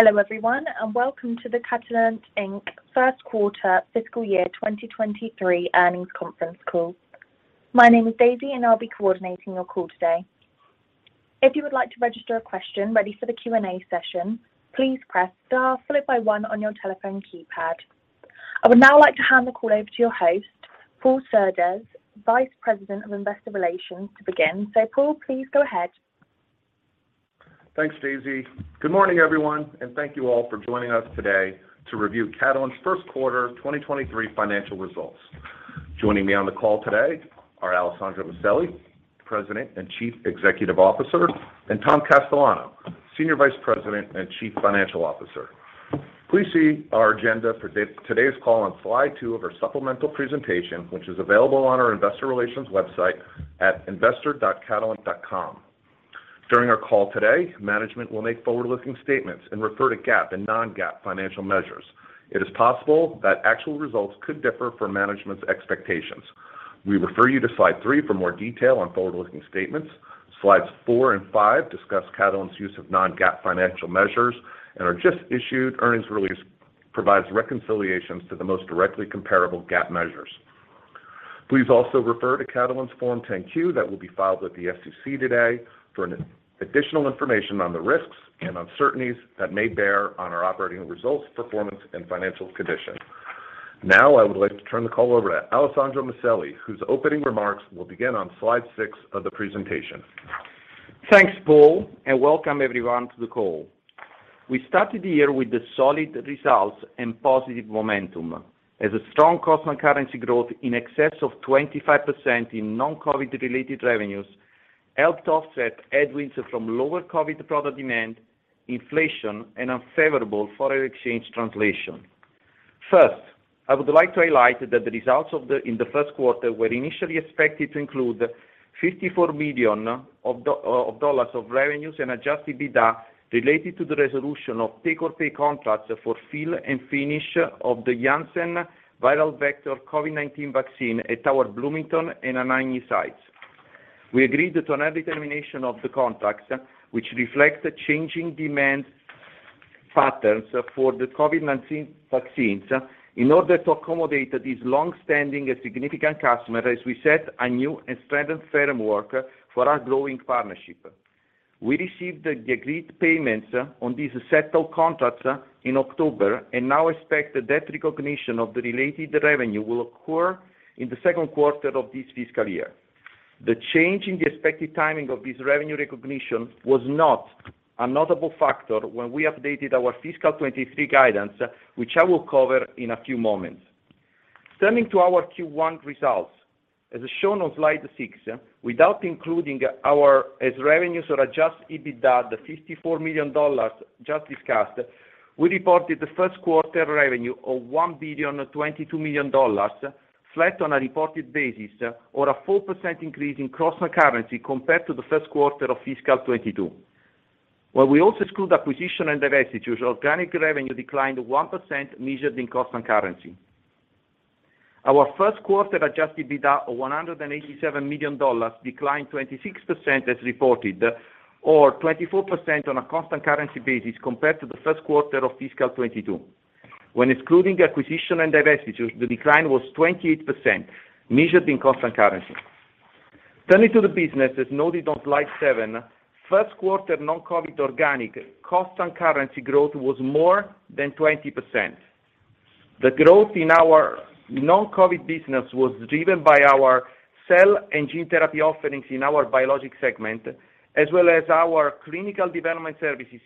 Hello everyone, and welcome to the Catalent, Inc. Q1 fiscal year 2023 earnings conference call. My name is Daisy, and I'll be coordinating your call today. If you would like to register a question ready for the Q&A session, please press Star followed by one on your telephone keypad. I would now like to hand the call over to your host, Paul Surdez, Vice President of Investor Relations, to begin. Paul, please go ahead. Thanks, Daisy. Good morning, everyone, and thank you all for joining us today to review Catalent's Q1 2023 financial results. Joining me on the call today are Alessandro Maselli, President and Chief Executive Officer, and Tom Castellano, Senior Vice President and Chief Financial Officer. Please see our agenda for today's call on slide 2 of our supplemental presentation, which is available on our investor relations website at investor.catalent.com. During our call today, management will make forward-looking statements and refer to GAAP and non-GAAP financial measures. It is possible that actual results could differ from management's expectations. We refer you to slide 3 for more detail on forward-looking statements. Slides 4 and 5 discuss Catalent's use of non-GAAP financial measures and our just-issued earnings release provides reconciliations to the most directly comparable GAAP measures. Please also refer to Catalent's Form 10-Q that will be filed with the SEC today for an additional information on the risks and uncertainties that may bear on our operating results, performance, and financial condition. Now, I would like to turn the call over to Alessandro Maselli, whose opening remarks will begin on slide 6 of the presentation. Thanks, Paul, and welcome everyone to the call. We started the year with solid results and positive momentum as a strong constant currency growth in excess of 25% in non-COVID related revenues helped offset headwinds from lower COVID product demand, inflation, and unfavorable foreign exchange translation. First, I would like to highlight that the results in the Q1 were initially expected to include $54 million of revenues and adjusted EBITDA related to the resolution of take-or-pay contracts for fill and finish of the Janssen viral vector COVID-19 vaccine at our Bloomington and Ann Arbor sites. We agreed to an early termination of the contracts, which reflects the changing demand patterns for the COVID-19 vaccines in order to accommodate this long-standing and significant customer as we set a new and strengthened framework for our growing partnership. We received the agreed payments on these settled contracts in October and now expect that recognition of the related revenue will occur in the Q2 of this fiscal year. The change in the expected timing of this revenue recognition was not a notable factor when we updated our fiscal 2023 guidance, which I will cover in a few moments. Turning to our Q1 results, as shown on slide 6, without including our A&S revenues or adjusted EBITDA, the $54 million just discussed, we reported the Q1 revenue of $1.022 billion, flat on a reported basis or a 4% increase in constant currency compared to the Q1 of fiscal 2022. When we also exclude acquisitions and divestitures, organic revenue declined 1% measured in constant currency. Our Q1 adjusted EBITDA of $187 million declined 26% as reported, or 24% on a constant currency basis compared to the Q1 of fiscal 2022. When excluding acquisition and divestitures, the decline was 28%, measured in constant currency. Turning to the business, as noted on slide 7, Q1 non-COVID organic cost and currency growth was more than 20%. The growth in our non-COVID business was driven by our cell and gene therapy offerings in our biologic segment, as well as our clinical development services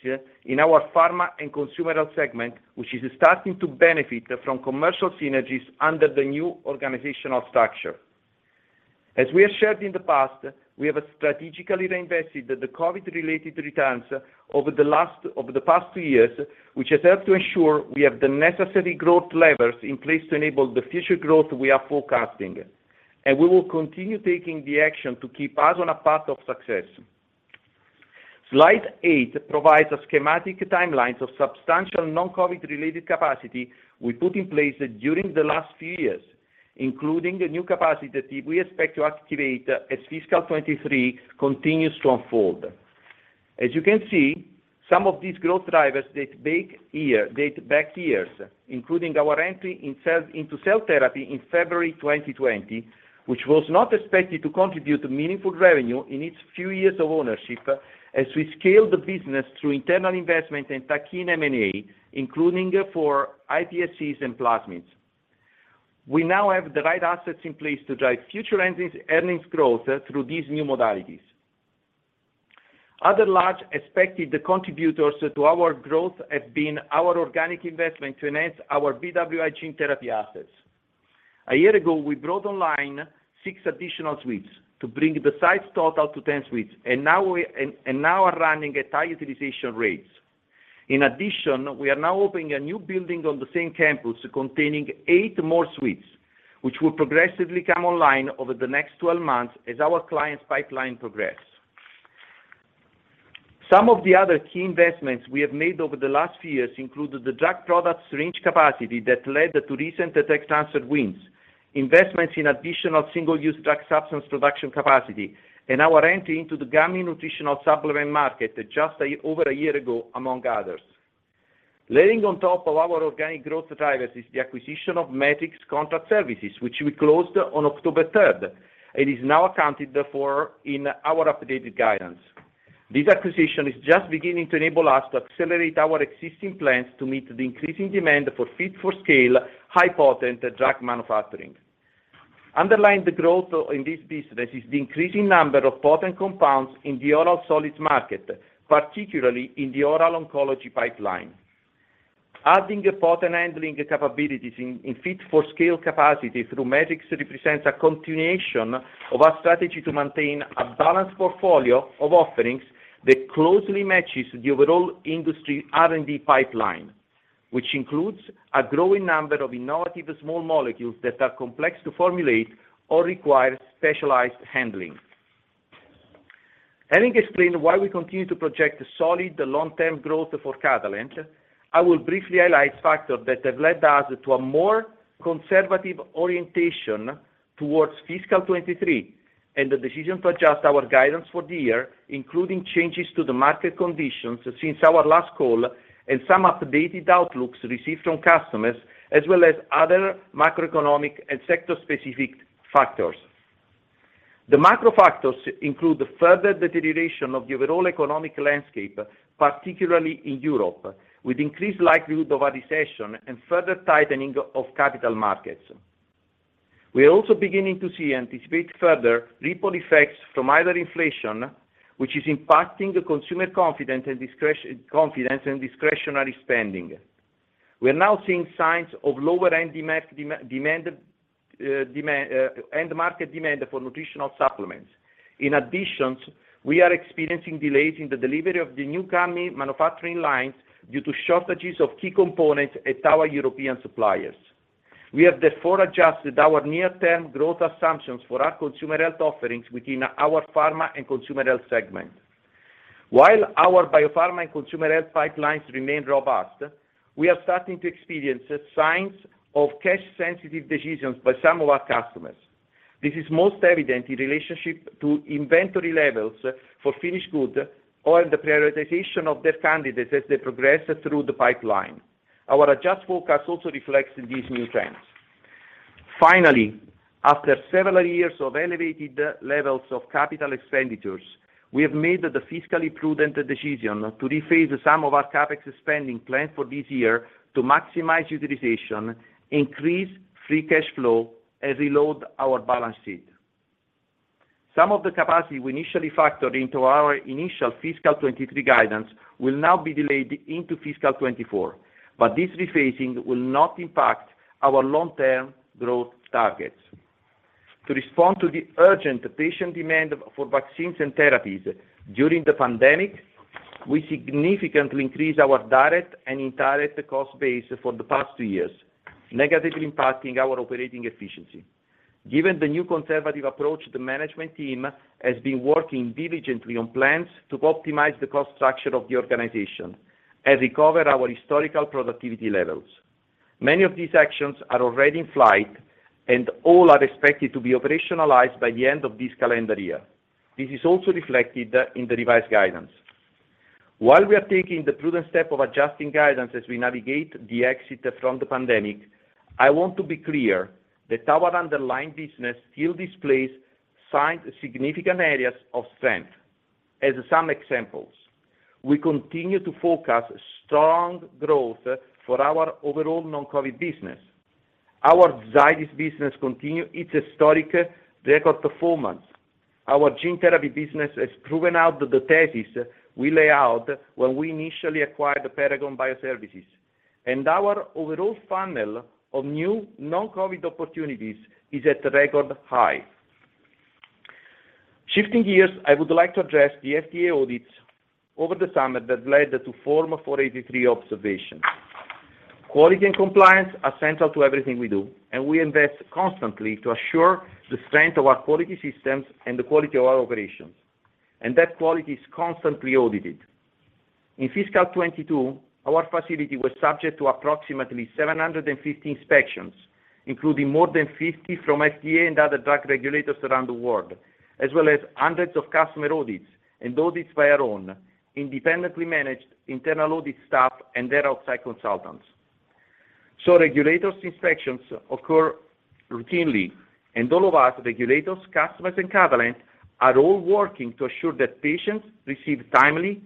in our pharma and consumer health segment, which is starting to benefit from commercial synergies under the new organizational structure. As we have shared in the past, we have strategically reinvested the COVID-related returns over the past two years, which has helped to ensure we have the necessary growth levers in place to enable the future growth we are forecasting. We will continue taking the action to keep us on a path of success. Slide 8 provides a schematic timelines of substantial non-COVID related capacity we put in place during the last few years, including the new capacity that we expect to activate as fiscal 2023 continues to unfold. As you can see, some of these growth drivers date back years, including our entry into cell therapy in February 2020, which was not expected to contribute meaningful revenue in its few years of ownership as we scale the business through internal investment and tactical M&A, including for iPSCs and plasmids. We now have the right assets in place to drive future earnings growth through these new modalities. Other large expected contributors to our growth have been our organic investment to enhance our BWI gene therapy assets. A year ago, we brought online six additional suites to bring the site's total to 10 suites, and now are running at high utilization rates. In addition, we are now opening a new building on the same campus containing eight more suites, which will progressively come online over the next 12 months as our clients' pipeline progress. Some of the other key investments we have made over the last few years include the drug products range capacity that led to recent tech transfer wins. Investments in additional single-use drug substance production capacity and our entry into the gummy nutritional supplement market just over a year ago, among others. Layering on top of our organic growth drivers is the acquisition of Metrics Contract Services, which we closed on October third. It is now accounted for in our updated guidance. This acquisition is just beginning to enable us to accelerate our existing plans to meet the increasing demand for large-scale high-potency drug manufacturing. Underlying the growth in this business is the increasing number of potent compounds in the oral solids market, particularly in the oral oncology pipeline. Adding potent handling capabilities in large-scale capacity through Metrics represents a continuation of our strategy to maintain a balanced portfolio of offerings that closely matches the overall industry R&D pipeline, which includes a growing number of innovative small molecules that are complex to formulate or require specialized handling. Having explained why we continue to project solid, long-term growth for Catalent, I will briefly highlight factors that have led us to a more conservative orientation towards fiscal 2023 and the decision to adjust our guidance for the year, including changes to the market conditions since our last call and some updated outlooks received from customers, as well as other macroeconomic and sector-specific factors. The macro factors include the further deterioration of the overall economic landscape, particularly in Europe, with increased likelihood of a recession and further tightening of capital markets. We're also beginning to see and anticipate further ripple effects from either inflation, which is impacting consumer confidence and discretionary spending. We're now seeing signs of lower end market demand for nutritional supplements. In addition, we are experiencing delays in the delivery of the new gummy manufacturing lines due to shortages of key components at our European suppliers. We have therefore adjusted our near-term growth assumptions for our consumer health offerings within our pharma and consumer health segment. While our biopharma and consumer health pipelines remain robust, we are starting to experience signs of cash-sensitive decisions by some of our customers. This is most evident in relationship to inventory levels for finished goods or the prioritization of their candidates as they progress through the pipeline. Our adjusted forecast also reflects these new trends. Finally, after several years of elevated levels of capital expenditures, we have made the fiscally prudent decision to rephase some of our CapEx spending planned for this year to maximize utilization, increase free cash flow, and reload our balance sheet. Some of the capacity we initially factored into our initial fiscal 2023 guidance will now be delayed into fiscal 2024, but this rephasing will not impact our long-term growth targets. To respond to the urgent patient demand for vaccines and therapies during the pandemic, we significantly increased our direct and indirect cost base for the past two years, negatively impacting our operating efficiency. Given the new conservative approach, the management team has been working diligently on plans to optimize the cost structure of the organization and recover our historical productivity levels. Many of these actions are already in flight, and all are expected to be operationalized by the end of this calendar year. This is also reflected in the revised guidance. While we are taking the prudent step of adjusting guidance as we navigate the exit from the pandemic, I want to be clear that our underlying business still displays signs of significant areas of strength. As some examples, we continue to forecast strong growth for our overall non-COVID business. Our Zydis business continue its historic record performance. Our gene therapy business has proven out the thesis we lay out when we initially acquired Paragon Bioservices, and our overall funnel of new non-COVID opportunities is at a record high. Shifting gears, I would like to address the FDA audits over the summer that led to Form 483 observations. Quality and compliance are central to everything we do, and we invest constantly to assure the strength of our quality systems and the quality of our operations, and that quality is constantly audited. In fiscal 2022, our facility was subject to approximately 750 inspections, including more than 50 from FDA and other drug regulators around the world, as well as hundreds of customer audits and audits by our own independently managed internal audit staff and their outside consultants. Regulators' inspections occur routinely, and all of us, regulators, customers, and Catalent, are all working to assure that patients receive timely,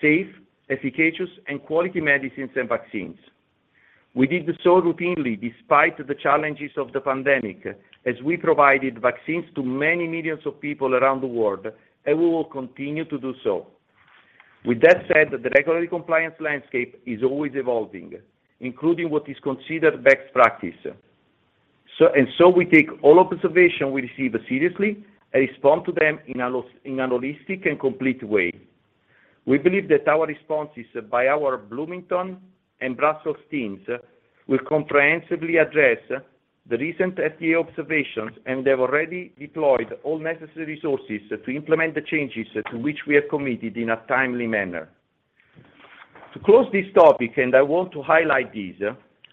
safe, efficacious, and quality medicines and vaccines. We did so routinely despite the challenges of the pandemic as we provided vaccines to many millions of people around the world, and we will continue to do so. With that said, the regulatory compliance landscape is always evolving, including what is considered best practice. We take all observations we receive seriously and respond to them in a holistic and complete way. We believe that our responses by our Bloomington and Brussels teams will comprehensively address the recent FDA observations, and they've already deployed all necessary resources to implement the changes to which we are committed in a timely manner. To close this topic, and I want to highlight these,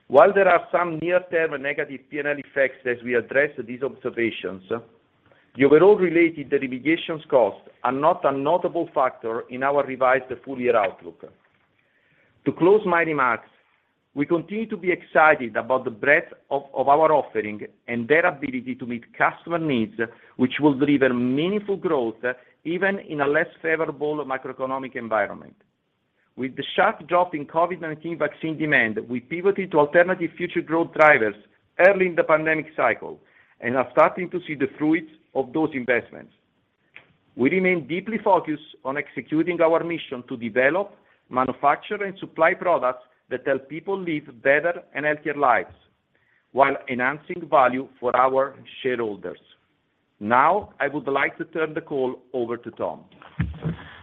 while there are some near-term negative P&L effects as we address these observations, the overall related litigation costs are not a notable factor in our revised full-year outlook. To close my remarks, we continue to be excited about the breadth of our offering and their ability to meet customer needs, which will deliver meaningful growth even in a less favorable macroeconomic environment. With the sharp drop in COVID-19 vaccine demand, we pivoted to alternative future growth drivers early in the pandemic cycle and are starting to see the fruits of those investments. We remain deeply focused on executing our mission to develop, manufacture, and supply products that help people live better and healthier lives while enhancing value for our shareholders. Now, I would like to turn the call over to Tom.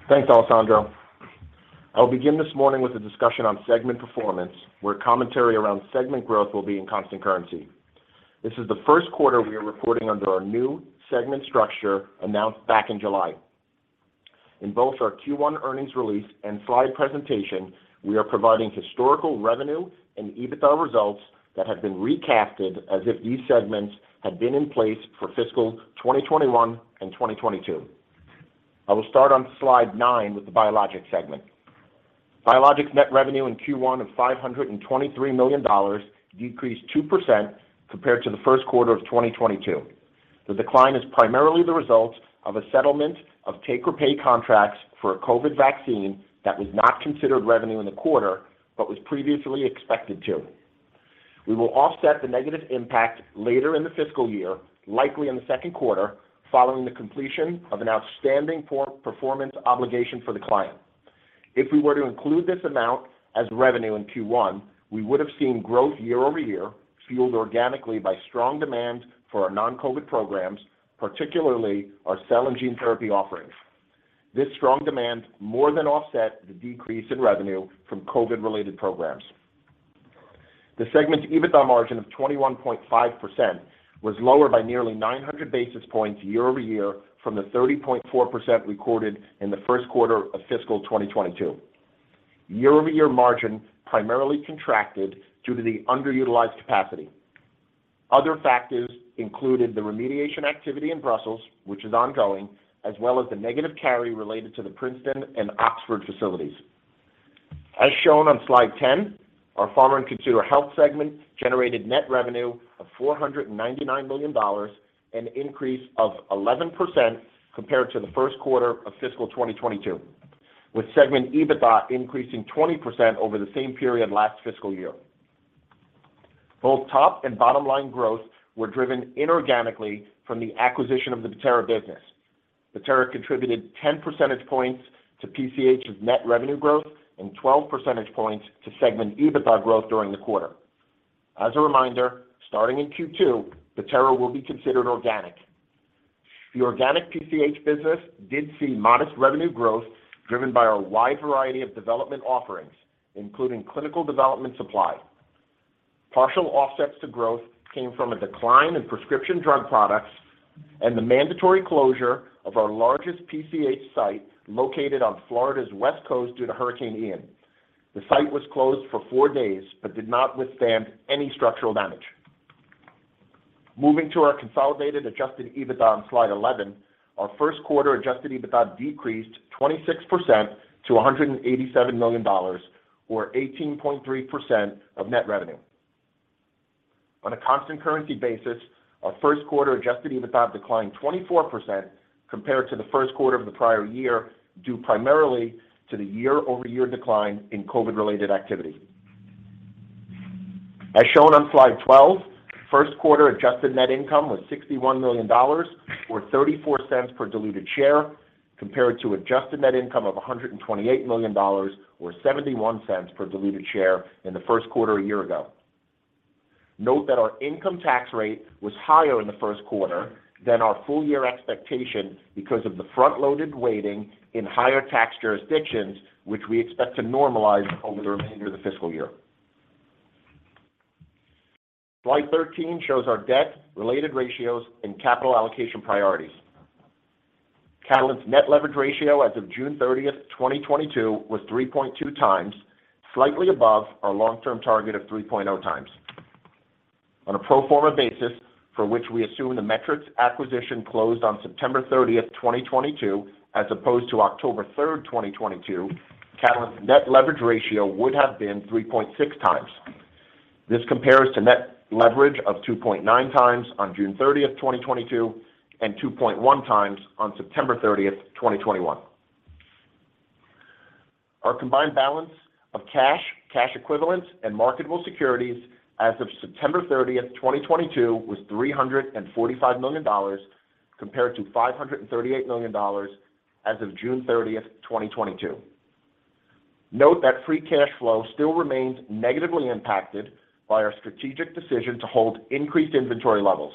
Thanks, Alessandro. I'll begin this morning with a discussion on segment performance, where commentary around segment growth will be in constant currency. This is the Q1 we are reporting under our new segment structure announced back in July. In both our Q1 earnings release and slide presentation, we are providing historical revenue and EBITDA results that have been recasted as if these segments had been in place for fiscal 2021 and 2022. I will start on slide 9 with the Biologics segment. Biologics net revenue in Q1 of $523 million decreased 2% compared to the Q1 of 2022. The decline is primarily the result of a settlement of take-or-pay contracts for a COVID vaccine that was not considered revenue in the quarter but was previously expected to. We will offset the negative impact later in the fiscal year, likely in the Q2, following the completion of an outstanding poor performance obligation for the client. If we were to include this amount as revenue in Q1, we would have seen growth year-over-year, fueled organically by strong demand for our non-COVID programs, particularly our cell and gene therapy offerings. This strong demand more than offset the decrease in revenue from COVID-related programs. The segment's EBITDA margin of 21.5% was lower by nearly 900 basis points year-over-year from the 30.4% recorded in the Q1 of fiscal 2022. Year-over-year margin primarily contracted due to the underutilized capacity. Other factors included the remediation activity in Brussels, which is ongoing, as well as the negative carry related to the Princeton and Oxford facilities. As shown on slide 10, our Pharma and Consumer Health segment generated net revenue of $499 million, an increase of 11% compared to the Q1 of fiscal 2022, with segment EBITDA increasing 20% over the same period last fiscal year. Both top and bottom line growth were driven inorganically from the acquisition of the Bettera business. Bettera contributed 10 percentage points to PCH's net revenue growth and 12 percentage points to segment EBITDA growth during the quarter. As a reminder, starting in Q2, Bettera will be considered organic. The organic PCH business did see modest revenue growth driven by our wide variety of development offerings, including clinical development supply. Partial offsets to growth came from a decline in prescription drug products and the mandatory closure of our largest PCH site located on Florida's West Coast due to Hurricane Ian. The site was closed for four days but did not withstand any structural damage. Moving to our consolidated adjusted EBITDA on slide 11, our Q1 adjusted EBITDA decreased 26% to $187 million or 18.3% of net revenue. On a constant currency basis, our Q1 adjusted EBITDA declined 24% compared to the Q1 of the prior year, due primarily to the year-over-year decline in COVID-related activity. As shown on slide 12, Q1 adjusted net income was $61 million, or $0.34 per diluted share, compared to adjusted net income of $128 million or $0.71 per diluted share in the Q1 a year ago. Note that our income tax rate was higher in the Q1 than our full year expectation because of the front-loaded weighting in higher tax jurisdictions, which we expect to normalize over the remainder of the fiscal year. Slide 13 shows our debt, related ratios, and capital allocation priorities. Catalent's net leverage ratio as of June 30th, 2022 was 3.2x, slightly above our long-term target of 3.0x. On a pro forma basis, for which we assume the Metrics acquisition closed on September 30th, 2022, as opposed to October 3rd, 2022, Catalent's net leverage ratio would have been 3.6x. This compares to net leverage of 2.9x on June 30th, 2022, and 2.1x on September 30th, 2021. Our combined balance of cash equivalents, and marketable securities as of September 30th, 2022, was $345 million compared to $538 million as of June 30th, 2022. Note that free cash flow still remains negatively impacted by our strategic decision to hold increased inventory levels.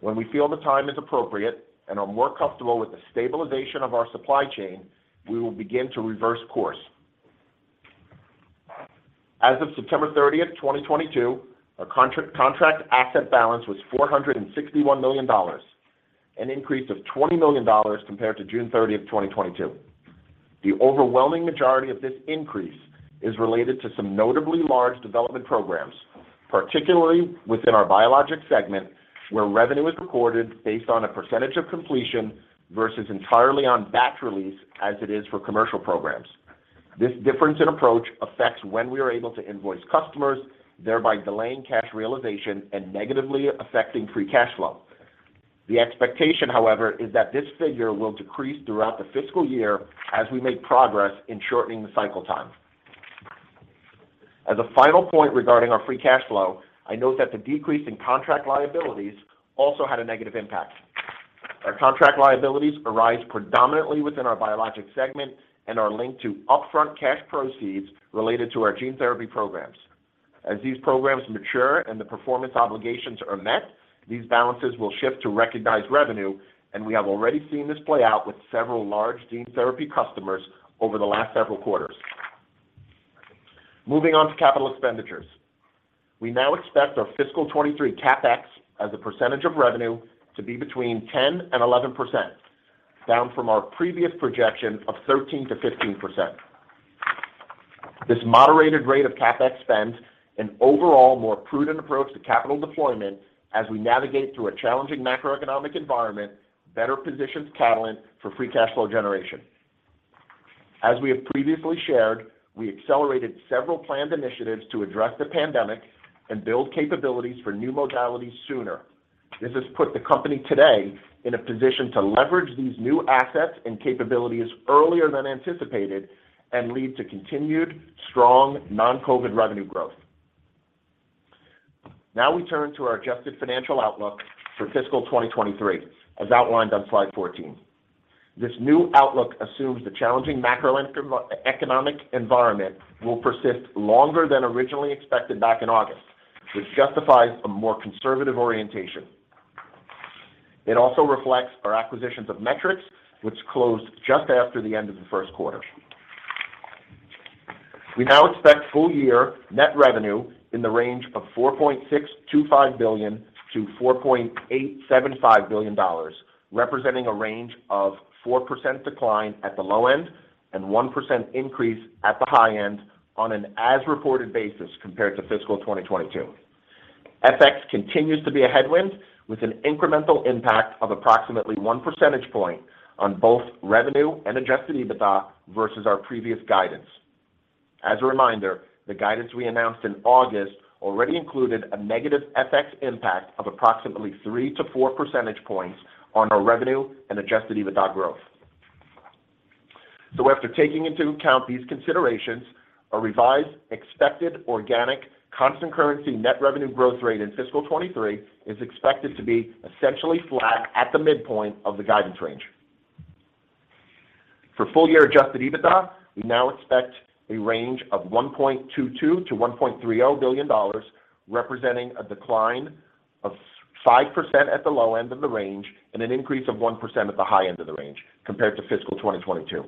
When we feel the time is appropriate and are more comfortable with the stabilization of our supply chain, we will begin to reverse course. As of September 30th, 2022, our contract asset balance was $461 million, an increase of $20 million compared to June 30th, 2022. The overwhelming majority of this increase is related to some notably large development programs, particularly within our biologics segment, where revenue is recorded based on a percentage of completion versus entirely on batch release as it is for commercial programs. This difference in approach affects when we are able to invoice customers, thereby delaying cash realization and negatively affecting free cash flow. The expectation, however, is that this figure will decrease throughout the fiscal year as we make progress in shortening the cycle time. As a final point regarding our free cash flow, I note that the decrease in contract liabilities also had a negative impact. Our contract liabilities arise predominantly within our biologics segment and are linked to upfront cash proceeds related to our gene therapy programs. As these programs mature and the performance obligations are met, these balances will shift to recognized revenue, and we have already seen this play out with several large gene therapy customers over the last several quarters. Moving on to capital expenditures. We now expect our fiscal 2023 CapEx as a percentage of revenue to be between 10% and 11%, down from our previous projection of 13%-15%. This moderated rate of CapEx spend and overall more prudent approach to capital deployment as we navigate through a challenging macroeconomic environment better positions Catalent for free cash flow generation. As we have previously shared, we accelerated several planned initiatives to address the pandemic and build capabilities for new modalities sooner. This has put the company today in a position to leverage these new assets and capabilities earlier than anticipated and lead to continued strong non-COVID revenue growth. Now we turn to our adjusted financial outlook for fiscal 2023, as outlined on slide 14. This new outlook assumes the challenging macroeconomic environment will persist longer than originally expected back in August, which justifies a more conservative orientation. It also reflects our acquisitions of Metrics which closed just after the end of the Q1. We now expect full year net revenue in the range of $4.625 billion-$4.875 billion, representing a range of 4% decline at the low end and 1% increase at the high end on an as-reported basis compared to fiscal 2022. FX continues to be a headwind, with an incremental impact of approximately 1 percentage point on both revenue and adjusted EBITDA versus our previous guidance. As a reminder, the guidance we announced in August already included a negative FX impact of approximately 3-4 percentage points on our revenue and adjusted EBITDA growth. After taking into account these considerations, a revised expected organic constant currency net revenue growth rate in fiscal 2023 is expected to be essentially flat at the midpoint of the guidance range. For full year adjusted EBITDA, we now expect a range of $1.22-$1.3 billion, representing a decline of 5% at the low end of the range and an increase of 1% at the high end of the range compared to fiscal 2022.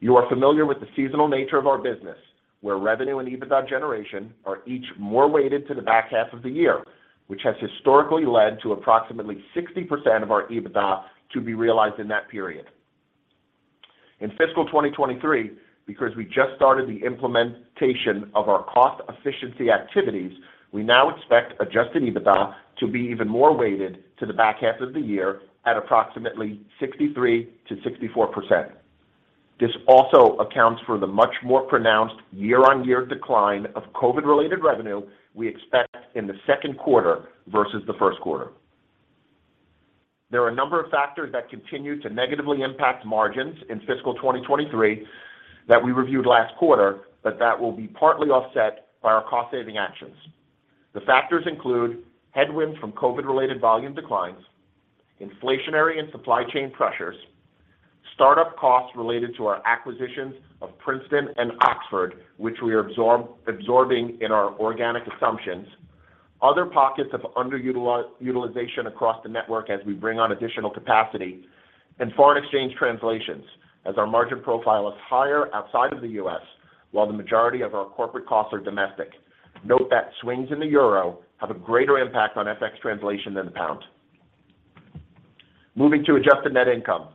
You are familiar with the seasonal nature of our business, where revenue and EBITDA generation are each more weighted to the back half of the year, which has historically led to approximately 60% of our EBITDA to be realized in that period. In fiscal 2023, because we just started the implementation of our cost efficiency activities, we now expect adjusted EBITDA to be even more weighted to the back half of the year at approximately 63%-64%. This also accounts for the much more pronounced year-on-year decline of COVID-related revenue we expect in the Q2 versus the Q1. There are a number of factors that continue to negatively impact margins in fiscal 2023 that we reviewed last quarter, but that will be partly offset by our cost-saving actions. The factors include headwinds from COVID-related volume declines, inflationary and supply chain pressures, startup costs related to our acquisitions of Princeton and Oxford, which we are absorbing in our organic assumptions, other pockets of underutilization across the network as we bring on additional capacity, and foreign exchange translations as our margin profile is higher outside of the U.S., while the majority of our corporate costs are domestic. Note that swings in the euro have a greater impact on FX translation than the pound. Moving to adjusted net income.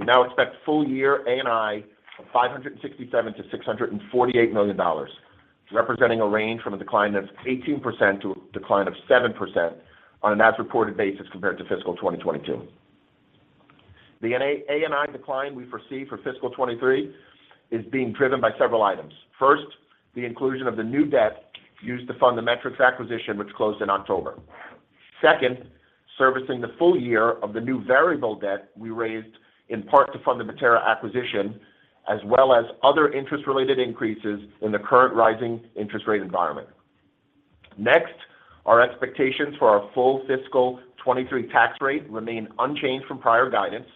We now expect full year ANI of $567 million-$648 million, representing a range from a decline of 18% to a decline of 7% on an as-reported basis compared to fiscal 2022. The ANI decline we foresee for fiscal 2023 is being driven by several items. First, the inclusion of the new debt used to fund the Metrics acquisition, which closed in October. Second, servicing the full year of the new variable debt we raised in part to fund the Bettera acquisition, as well as other interest-related increases in the current rising interest rate environment. Next, our expectations for our full fiscal 2023 tax rate remain unchanged from prior guidance.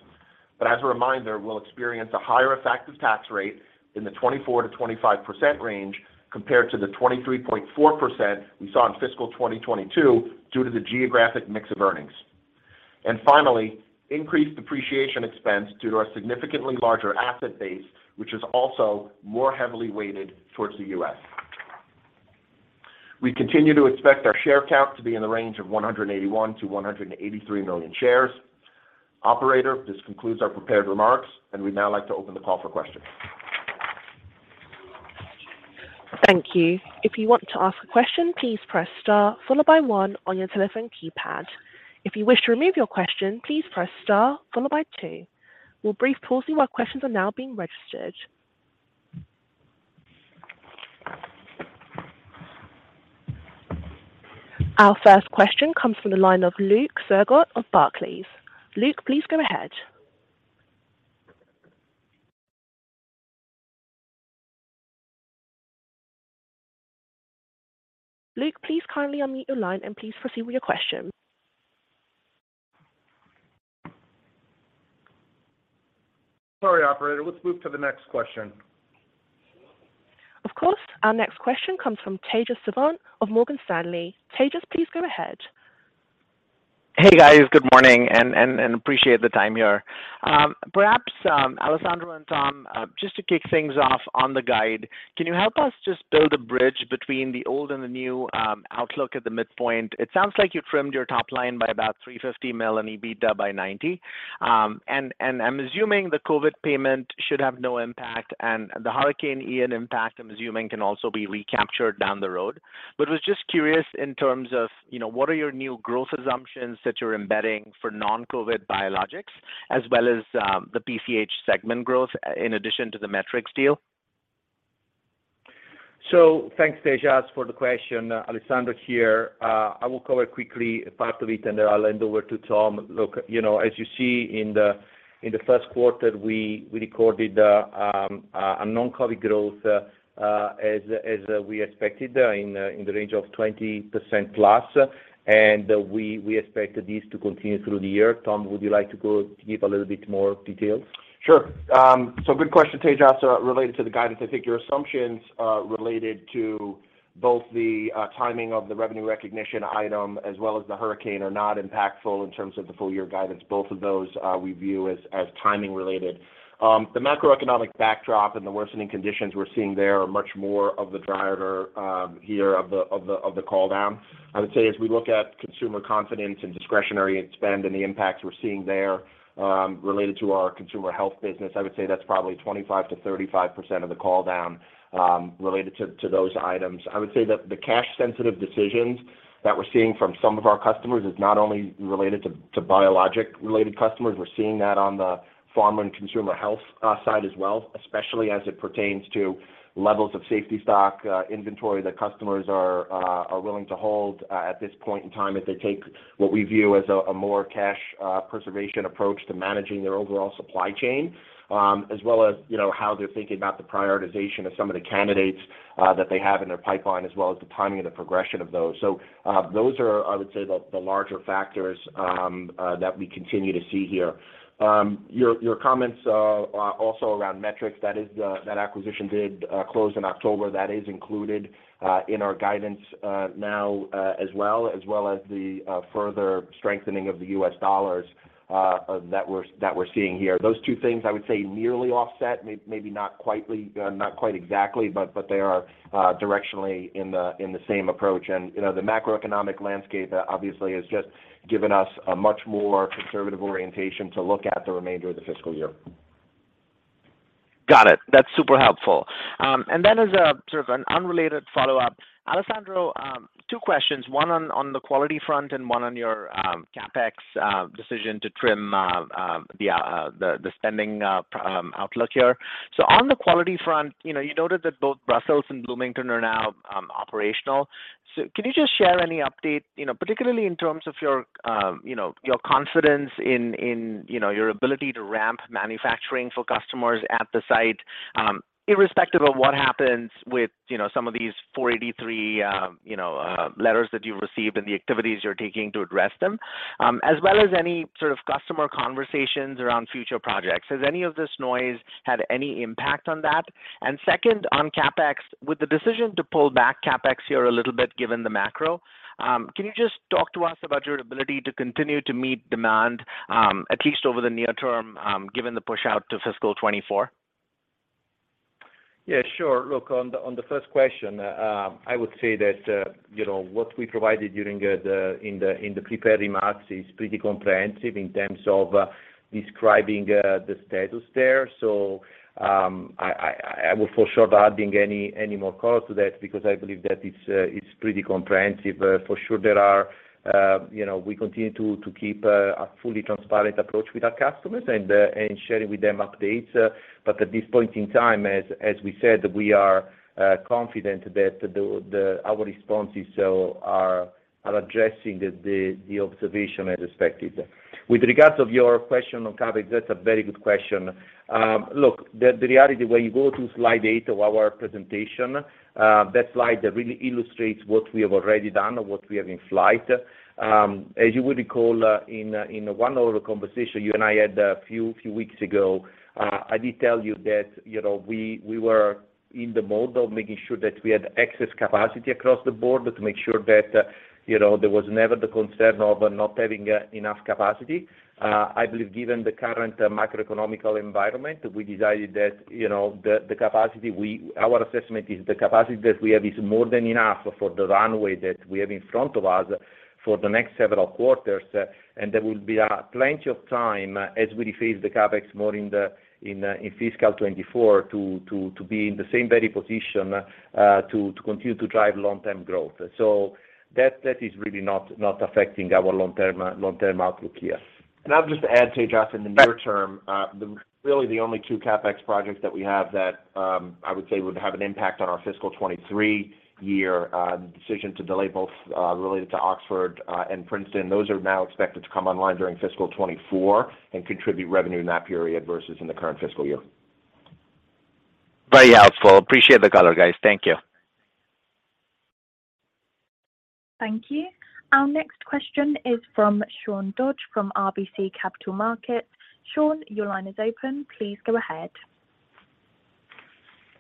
As a reminder, we'll experience a higher effective tax rate in the 24%-25% range compared to the 23.4% we saw in fiscal 2022 due to the geographic mix of earnings. Finally, increased depreciation expense due to our significantly larger asset base, which is also more heavily weighted towards the U.S. We continue to expect our share count to be in the range of 181-183 million shares. Operator, this concludes our prepared remarks, and we'd now like to open the call for questions. Thank you. If you want to ask a question, please press Star followed by one on your telephone keypad. If you wish to remove your question, please press Star followed by two. We'll briefly pause while questions are now being registered. Our first question comes from the line of Luke Sergott of Barclays. Luke, please go ahead. Luke, please kindly unmute your line, and please proceed with your question. Sorry, operator. Let's move to the next question. Of course. Our next question comes from Tejas Savant of Morgan Stanley. Tejas, please go ahead. Hey, guys. Good morning, and appreciate the time here. Perhaps, Alessandro and Tom, just to kick things off on the guide, can you help us just build a bridge between the old and the new outlook at the midpoint? It sounds like you trimmed your top line by about $350 million and EBITDA by $90 million. I'm assuming the COVID payment should have no impact, and the Hurricane Ian impact, I'm assuming, can also be recaptured down the road. Was just curious in terms of, you know, what are your new growth assumptions that you're embedding for non-COVID biologics as well as the PCH segment growth in addition to the Metrics deal? Thanks, Tejas, for the question. Alessandro here. I will cover quickly part of it, and then I'll hand over to Tom. Look, as you see in the Q1, we recorded a non-COVID growth as we expected in the range of 20%+. We expect this to continue through the year. Tom, would you like to go to give a little bit more details? Sure. So good question, Tejas. Related to the guidance, I think your assumptions related to both the timing of the revenue recognition item as well as the hurricane are not impactful in terms of the full year guidance. Both of those, we view as timing related. The macroeconomic backdrop and the worsening conditions we're seeing there are much more of the driver here of the call down. I would say as we look at consumer confidence and discretionary spend and the impacts we're seeing there related to our consumer health business, I would say that's probably 25%-35% of the call down related to those items. I would say that the cash sensitive decisions that we're seeing from some of our customers is not only related to biologic-related customers. We're seeing that on the pharma and consumer health side as well, especially as it pertains to levels of safety stock, inventory that customers are willing to hold at this point in time as they take what we view as a more cash preservation approach to managing their overall supply chain. As well as, you know, how they're thinking about the prioritization of some of the candidates that they have in their pipeline, as well as the timing and the progression of those. Those are, I would say, the larger factors that we continue to see here. Your comments also around Metrics, that acquisition did close in October. That is included in our guidance now as well as the further strengthening of the U.S. dollars that we're seeing here. Those two things I would say nearly offset, maybe not quite, not quite exactly, but they are directionally in the same approach. You know, the macroeconomic landscape obviously has just given us a much more conservative orientation to look at the remainder of the fiscal year. Got it. That's super helpful. As a sort of an unrelated follow-up. Alessandro, two questions, one on the quality front and one on your CapEx decision to trim the spending outlook here. On the quality front, you know, you noted that both Brussels and Bloomington are now operational. Can you just share any update, you know, particularly in terms of your you know, your confidence in you know, your ability to ramp manufacturing for customers at the site, irrespective of what happens with you know, some of these Form 483 you know, letters that you've received and the activities you're taking to address them? As well as any sort of customer conversations around future projects. Has any of this noise had any impact on that? Second, on CapEx, with the decision to pull back CapEx here a little bit given the macro, can you just talk to us about your ability to continue to meet demand, at least over the near term, given the push out to fiscal 2024? Yeah, sure. Look, on the first question, I would say that, you know, what we provided during the prepared remarks is pretty comprehensive in terms of describing the status there. I wouldn't add any more color to that because I believe that it's pretty comprehensive. For sure there are, you know, we continue to keep a fully transparent approach with our customers and sharing with them updates. At this point in time, as we said, we are confident that our responses so far are addressing the observation as expected. With regard to your question on CapEx, that's a very good question. Look, the reality when you go to slide 8 of our presentation, that slide really illustrates what we have already done or what we have in flight. As you would recall, in one of the conversations you and I had a few weeks ago, I did tell you that, you know, we were in the mode of making sure that we had excess capacity across the board to make sure that, you know, there was never the concern of not having enough capacity. I believe given the current macroeconomic environment, we decided that, you know, our assessment is the capacity that we have is more than enough for the runway that we have in front of us for the next several quarters. There will be plenty of time as we detail the CapEx more in fiscal 2024 to be in the same very position to continue to drive long-term growth. That is really not affecting our long-term outlook here. I'll just add, Tejas, in the near term, the only two CapEx projects that we have that, I would say would have an impact on our fiscal 2023 year decision to delay both, related to Oxford, and Princeton, those are now expected to come online during fiscal 2024 and contribute revenue in that period versus in the current fiscal year. Very helpful. Appreciate the color, guys. Thank you. Thank you. Our next question is from Sean Dodge, from RBC Capital Markets. Sean, your line is open. Please go ahead.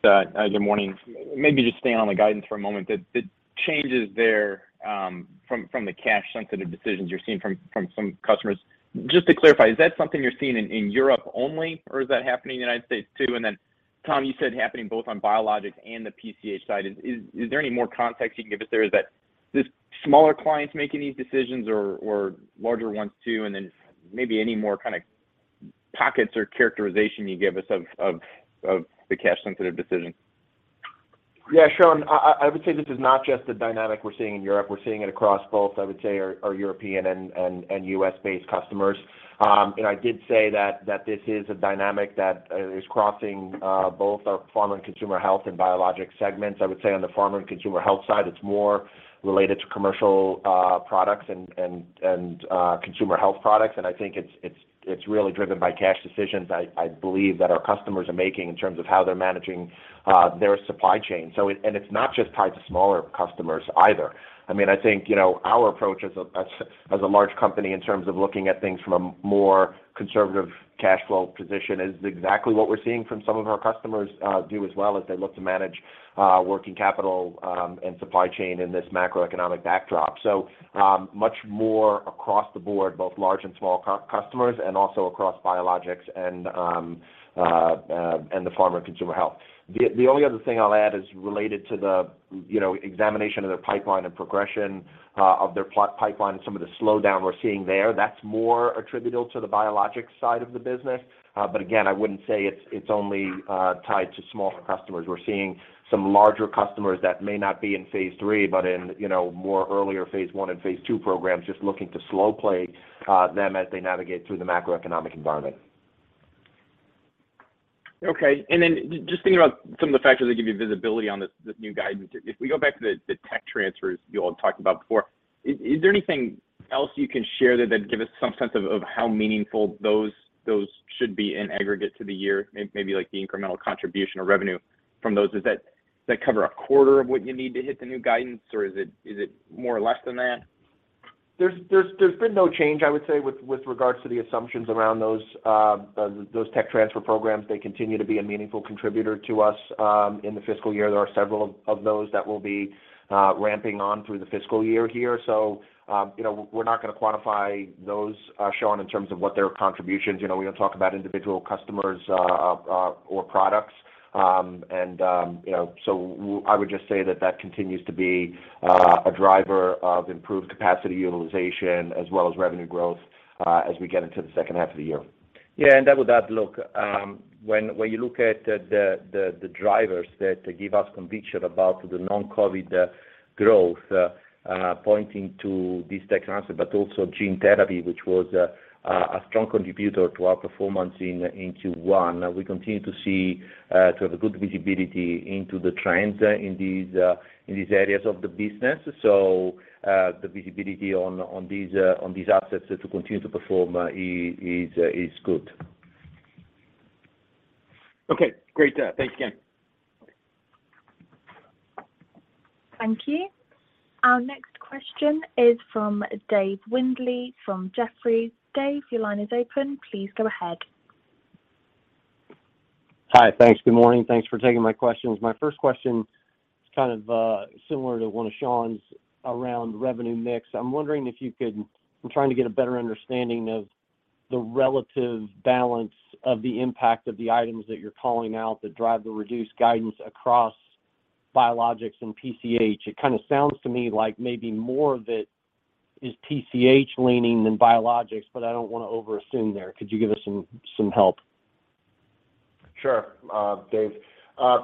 Good morning. Maybe just staying on the guidance for a moment. The changes there from the cash-sensitive decisions you're seeing from some customers. Just to clarify, is that something you're seeing in Europe only, or is that happening in the United States too? And then Tom, you said happening both on biologics and the PCH side. Is there any more context you can give us there? Does smaller clients making these decisions or larger ones too? And then maybe any more kind of pockets or characterization you can give us of the cash-sensitive decisions? Yeah, Sean, I would say this is not just a dynamic we're seeing in Europe. We're seeing it across both, I would say our European and US-based customers. I did say that this is a dynamic that is crossing both our pharma and consumer health and biologic segments. I would say on the pharma and consumer health side, it's more related to commercial products and consumer health products. I think it's really driven by cash decisions I believe that our customers are making in terms of how they're managing their supply chain. It's not just tied to smaller customers either. I mean, I think, you know, our approach as a large company in terms of looking at things from a more conservative cash flow position is exactly what we're seeing from some of our customers do as well as they look to manage working capital and supply chain in this macroeconomic backdrop. Much more across the board, both large and small customers and also across biologics and the pharma and consumer health. The only other thing I'll add is related to the, you know, examination of their pipeline and progression of their product pipeline and some of the slowdown we're seeing there. That's more attributable to the biologics side of the business. But again, I wouldn't say it's only tied to smaller customers. We're seeing some larger customers that may not be in phase three, but in you know more earlier phase one and phase two programs, just looking to slow play them as they navigate through the macroeconomic environment. Okay. Just thinking about some of the factors that give you visibility on this new guidance. If we go back to the tech transfers you all talked about before, is there anything else you can share that give us some sense of how meaningful those should be in aggregate to the year, maybe like the incremental contribution or revenue from those? Does that cover a quarter of what you need to hit the new guidance, or is it more or less than that? There's been no change, I would say, with regards to the assumptions around those tech transfer programs. They continue to be a meaningful contributor to us in the fiscal year. There are several of those that will be ramping on through the fiscal year here. So, you know, we're not gonna quantify those, Sean, in terms of what their contributions. You know, we don't talk about individual customers or products. You know, I would just say that that continues to be a driver of improved capacity utilization as well as revenue growth as we get into the second half of the year. Yeah. I would add, look, when you look at the drivers that give us conviction about the non-COVID growth, pointing to this tech transfer, but also gene therapy, which was a strong contributor to our performance in Q1. We continue to see to have a good visibility into the trends in these areas of the business. The visibility on these assets to continue to perform is good. Okay, great. Thanks again. Thank you. Our next question is from David Windley, from Jefferies. Dave, your line is open. Please go ahead. Hi. Thanks. Good morning. Thanks for taking my questions. My first question is kind of similar to one of Sean's around revenue mix. I'm wondering if you could, I'm trying to get a better understanding of the relative balance of the impact of the items that you're calling out that drive the reduced guidance across biologics and PCH. It kinda sounds to me like maybe more of it is PCH leaning than biologics, but I don't wanna over assume there. Could you give us some help? Sure, Dave.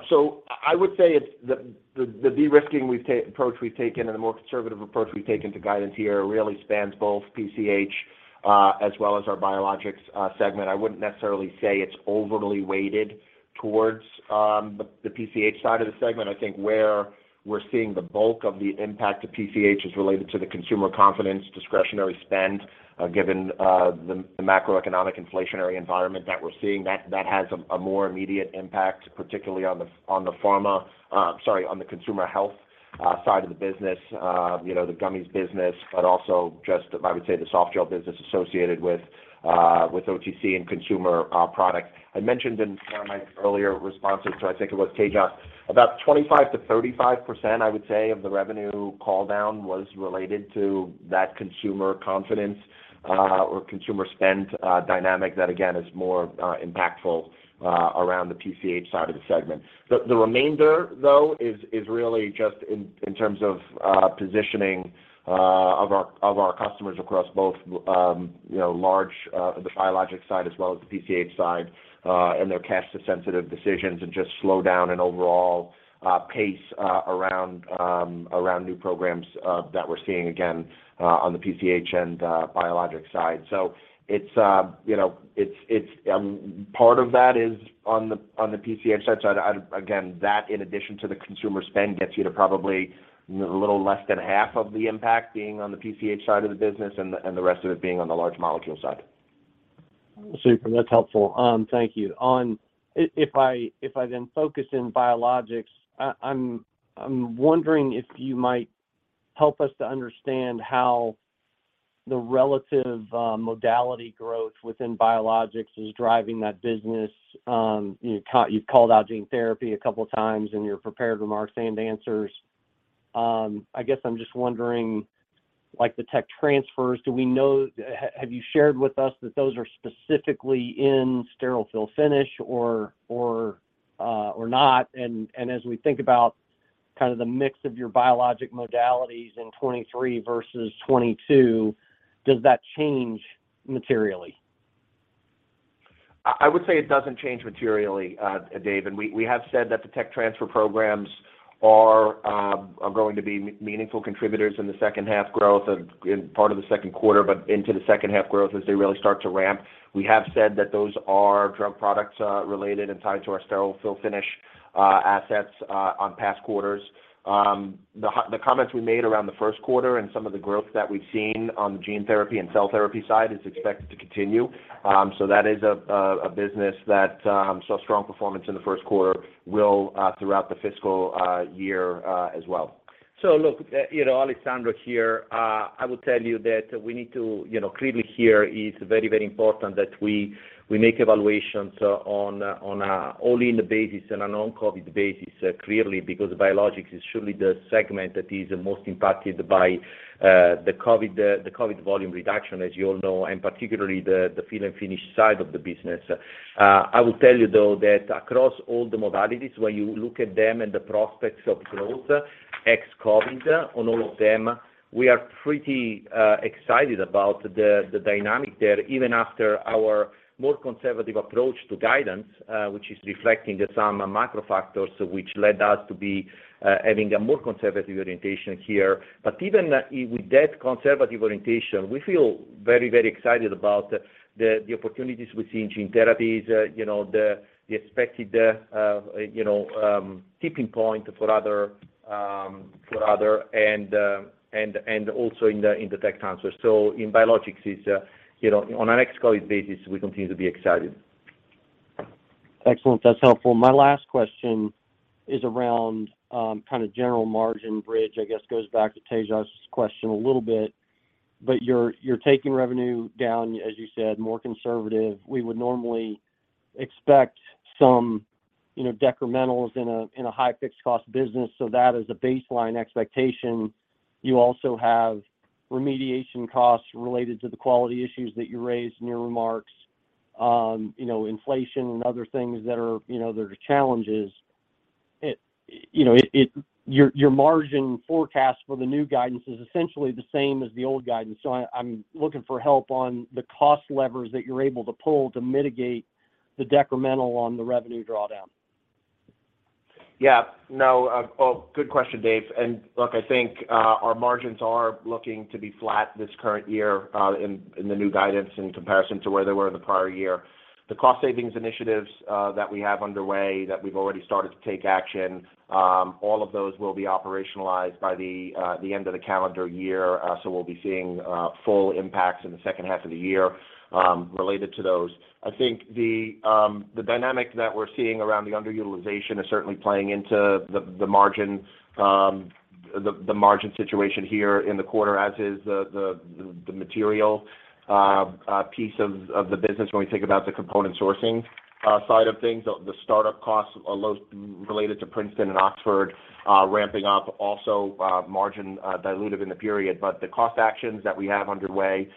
So I would say it's the de-risking approach we've taken and the more conservative approach we've taken to guidance here really spans both PCH, as well as our biologics segment. I wouldn't necessarily say it's overly weighted towards the PCH side of the segment. I think where we're seeing the bulk of the impact to PCH is related to the consumer confidence discretionary spend, given the macroeconomic inflationary environment that we're seeing, that has a more immediate impact, particularly on the pharma, sorry, on the consumer health side of the business, you know, the gummies business, but also just, I would say the softgel business associated with OTC and consumer products. I mentioned in one of my earlier responses to, I think it was Tejas, about 25%-35%, I would say, of the revenue call down was related to that consumer confidence or consumer spend dynamic that again is more impactful around the PCH side of the segment. The remainder, though, is really just in terms of positioning of our customers across both, you know, large, the biologics side as well as the PCH side, and their cash-sensitive decisions and just a slowdown in overall pace around new programs that we're seeing again on the PCH and biologics side. It's, you know, it's part of that is on the PCH side. I'd... Again, that in addition to the consumer spend gets you to probably a little less than half of the impact being on the PCH side of the business and the rest of it being on the large molecule side. Super. That's helpful. Thank you. If I then focus in biologics, I'm wondering if you might help us to understand how the relative modality growth within biologics is driving that business. You've called out gene therapy a couple times in your prepared remarks and answers. I guess I'm just wondering, like the tech transfers, have you shared with us that those are specifically in sterile fill finish or not? As we think about kind of the mix of your biologic modalities in 2023 versus 2022, does that change materially? I would say it doesn't change materially, Dave. We have said that the tech transfer programs are going to be meaningful contributors in the second half growth in part of the Q2, but into the second half growth as they really start to ramp. We have said that those are drug products related and tied to our sterile fill finish assets on past quarters. The comments we made around the Q1 and some of the growth that we've seen on the gene therapy and cell therapy side is expected to continue. That is a business that saw strong performance in the Q1 will throughout the fiscal year as well. Look, you know, Alessandro here, I will tell you that we need to, you know, clearly here it's very important that we make evaluations on an all-in basis and a non-COVID basis, clearly because biologics is surely the segment that is most impacted by the COVID volume reduction, as you all know, and particularly the fill and finish side of the business. I will tell you though that across all the modalities, when you look at them and the prospects of growth ex-COVID on all of them, we are pretty excited about the dynamic there, even after our more conservative approach to guidance, which is reflecting some macro factors which led us to be having a more conservative orientation here. Even with that conservative orientation, we feel very, very excited about the opportunities we see in gene therapies, you know, the expected tipping point for other and also in the tech transfer. In biologics it's, you know, on an ex-COVID basis, we continue to be excited. Excellent. That's helpful. My last question is around, kind of general margin bridge, I guess goes back to Tejas' question a little bit, but you're taking revenue down, as you said, more conservative. We would normally expect some, you know, decrementals in a high fixed cost business, so that is a baseline expectation. You also have remediation costs related to the quality issues that you raised in your remarks, you know, inflation and other things that are, you know, that are challenges. It, you know, your margin forecast for the new guidance is essentially the same as the old guidance. I'm looking for help on the cost levers that you're able to pull to mitigate the decremental on the revenue drawdown. Yeah. No, well, good question, Dave. Look, I think our margins are looking to be flat this current year in the new guidance in comparison to where they were in the prior year. The cost savings initiatives that we have underway that we've already started to take action all of those will be operationalized by the end of the calendar year so we'll be seeing full impacts in the second half of the year related to those. I think the dynamic that we're seeing around the underutilization is certainly playing into the margin situation here in the quarter, as is the material piece of the business when we think about the component sourcing side of things. The startup costs also related to Princeton and Oxford ramping up, also margin dilutive in the period. The cost actions that we have underway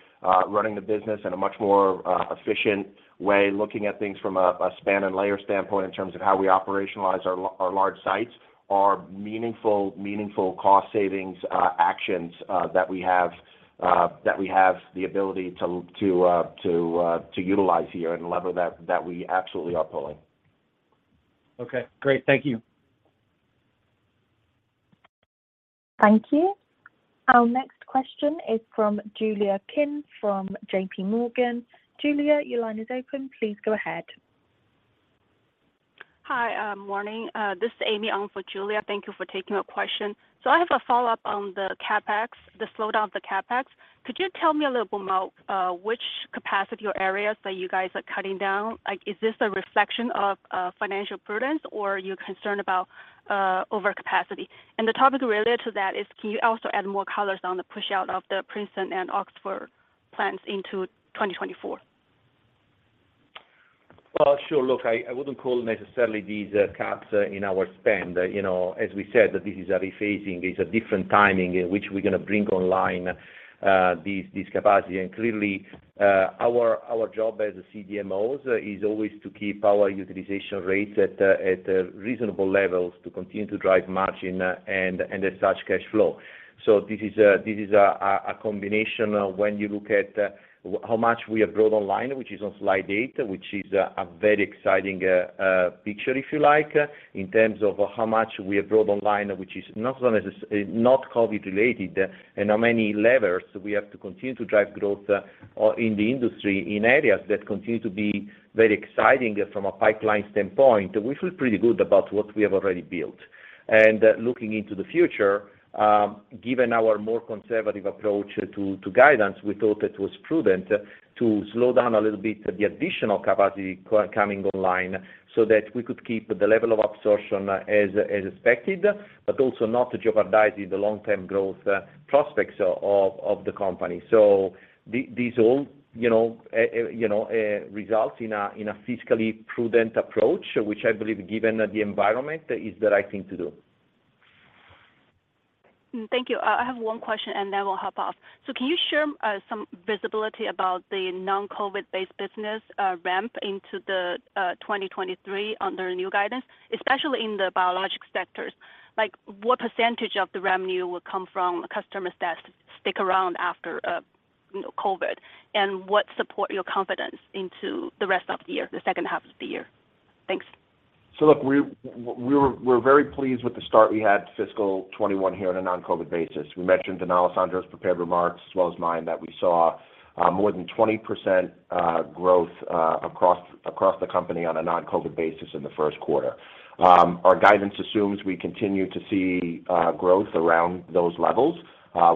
running the business in a much more efficient way, looking at things from a spans and layers standpoint in terms of how we operationalize our large sites are meaningful cost savings actions that we have the ability to utilize here and leverage that we absolutely are pulling. Okay. Great. Thank you. Thank you. Our next question is from Julia Kim from JP Morgan. Julia, your line is open. Please go ahead. Hi. Morning. This is Amy on for Julia. Thank you for taking our question. I have a follow-up on the CapEx, the slowdown of the CapEx. Could you tell me a little bit more, which capacity or areas that you guys are cutting down? Like, is this a reflection of, financial prudence or are you concerned about, overcapacity? The topic related to that is, can you also add more colors on the push out of the Princeton and Oxford plants into 2024? Well, sure. Look, I wouldn't call necessarily these cuts in our spend. You know, as we said, this is a rephasing. It's a different timing in which we're gonna bring online this capacity. Clearly, our job as CDMOs is always to keep our utilization rates at reasonable levels to continue to drive margin and as such, cash flow. This is a combination of when you look at how much we have brought online, which is on slide 8, which is a very exciting picture, if you like, in terms of how much we have brought online, which is not COVID related, and how many levers we have to continue to drive growth in the industry in areas that continue to be very exciting from a pipeline standpoint. We feel pretty good about what we have already built. Looking into the future, given our more conservative approach to guidance, we thought it was prudent to slow down a little bit the additional capacity coming online so that we could keep the level of absorption as expected, but also not jeopardizing the long-term growth prospects of the company. These all, you know, you know, result in a fiscally prudent approach, which I believe, given the environment, is the right thing to do. Thank you. I have one question, and then we'll hop off. Can you share some visibility about the non-COVID based business ramp into 2023 under the new guidance, especially in the biologic sectors? Like what percentage of the revenue will come from customers that stick around after you know COVID? And what support your confidence into the rest of the year, the second half of the year? Thanks. Look, we're very pleased with the start we had fiscal 2021 here on a non-COVID basis. We mentioned in Alessandro's prepared remarks, as well as mine, that we saw more than 20% growth across the company on a non-COVID basis in the Q1. Our guidance assumes we continue to see growth around those levels.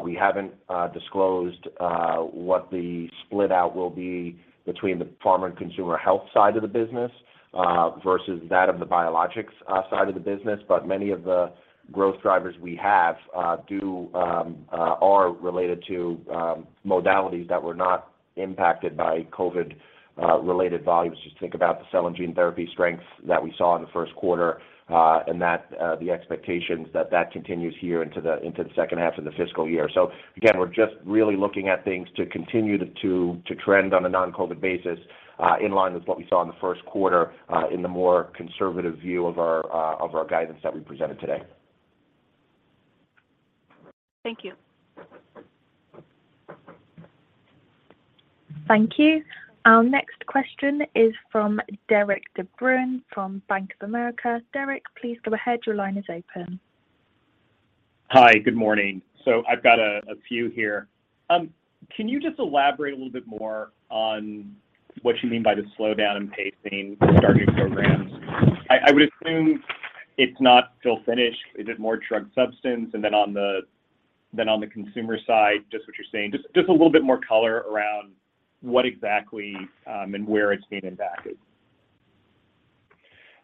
We haven't disclosed what the split out will be between the pharma and consumer health side of the business versus that of the biologics side of the business. Many of the growth drivers we have are related to modalities that were not impacted by COVID related volumes. Just think about the cell and gene therapy strength that we saw in the Q1, and that the expectations that continues here into the second half of the fiscal year. Again, we're just really looking at things to continue to trend on a non-COVID basis, in line with what we saw in the Q1, in the more conservative view of our guidance that we presented today. Thank you. Thank you. Our next question is from Derik De Bruin from Bank of America. Derik, please go ahead. Your line is open. Hi. Good morning. I've got a few here. Can you just elaborate a little bit more on what you mean by the slowdown in pacing for starting programs? I would assume it's not still finished. Is it more drug substance? And then on the consumer side, just what you're saying, just a little bit more color around what exactly and where it's being impacted.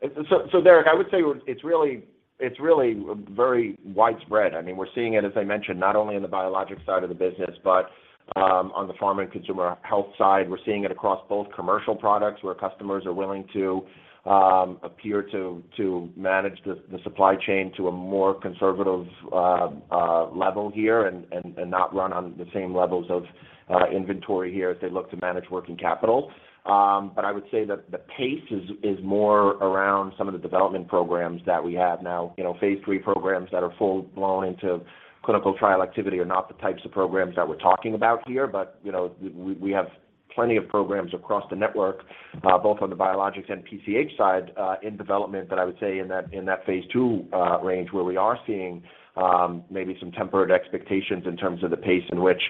Derik, I would say it's really very widespread. I mean, we're seeing it, as I mentioned, not only in the biologic side of the business, but on the pharma and consumer health side. We're seeing it across both commercial products, where customers are willing to appear to manage the supply chain to a more conservative level here and not run on the same levels of inventory here as they look to manage working capital. But I would say that the pace is more around some of the development programs that we have now. You know, phase three programs that are full blown into clinical trial activity are not the types of programs that we're talking about here. You know, we have plenty of programs across the network, both on the biologics and PCH side, in development that I would say in that phase two range, where we are seeing maybe some tempered expectations in terms of the pace in which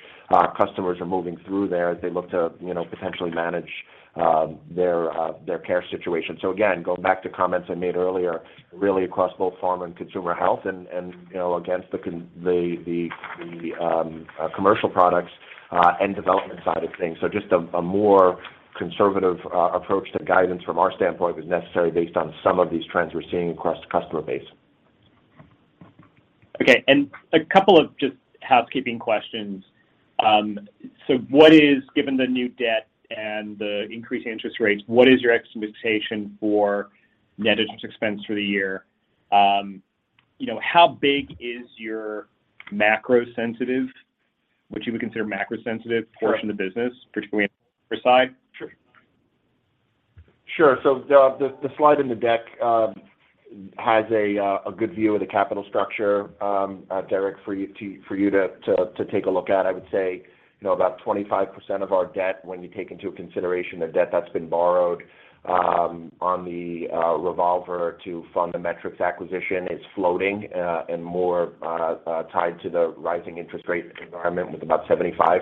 customers are moving through there as they look to, you know, potentially manage their cash situation. Again, going back to comments I made earlier, really across both pharma and consumer health and, you know, against the commercial products and development side of things. Just a more conservative approach to guidance from our standpoint was necessary based on some of these trends we're seeing across the customer base. Okay. A couple of just housekeeping questions. What is, given the new debt and the increased interest rates, your expectation for net interest expense for the year? You know, how big is your macro sensitive, what you would consider macro sensitive? Sure. Portion of business, particularly on site? The slide in the deck has a good view of the capital structure, Derek, for you to take a look at. I would say, you know, about 25% of our debt, when you take into consideration the debt that's been borrowed on the revolver to fund the Metrics acquisition is floating and more tied to the rising interest rate environment with about 75%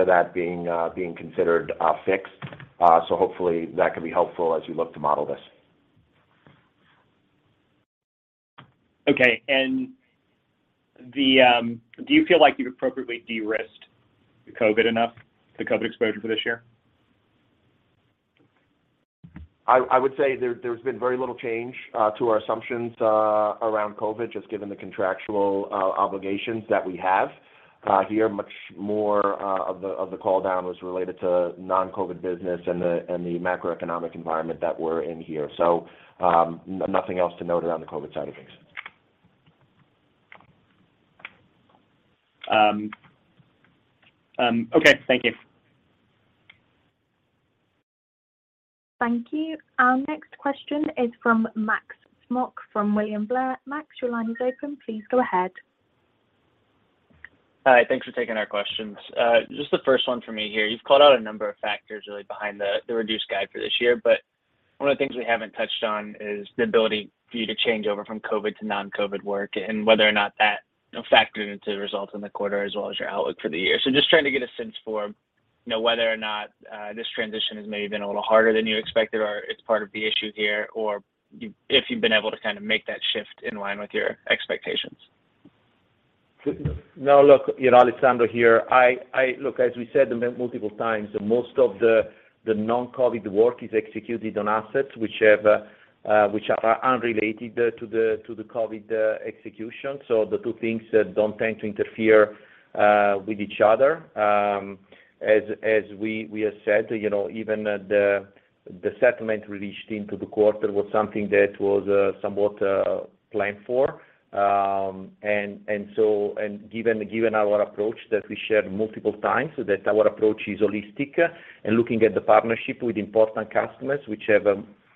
of that being considered fixed. Hopefully that can be helpful as you look to model this. Okay. Do you feel like you've appropriately de-risked the COVID exposure enough for this year? I would say there's been very little change to our assumptions around COVID, just given the contractual obligations that we have here. Much more of the call down was related to non-COVID business and the macroeconomic environment that we're in here. Nothing else to note around the COVID side of things. Okay. Thank you. Thank you. Our next question is from Max Smock from William Blair. Max, your line is open. Please go ahead. Hi. Thanks for taking our questions. Just the first one for me here. You've called out a number of factors really behind the reduced guide for this year, but one of the things we haven't touched on is the ability for you to change over from COVID to non-COVID work and whether or not that factored into the results in the quarter as well as your outlook for the year. So just trying to get a sense for, you know, whether or not this transition has maybe been a little harder than you expected or it's part of the issue here, or if you've been able to kind of make that shift in line with your expectations. No, look, you know, Alessandro here. Look, as we said multiple times, most of the non-COVID work is executed on assets which are unrelated to the COVID execution. The two things don't tend to interfere with each other. As we have said, you know, even the settlement released into the quarter was something that was somewhat planned for. Given our approach that we shared multiple times, that our approach is holistic and looking at the partnership with important customers which have,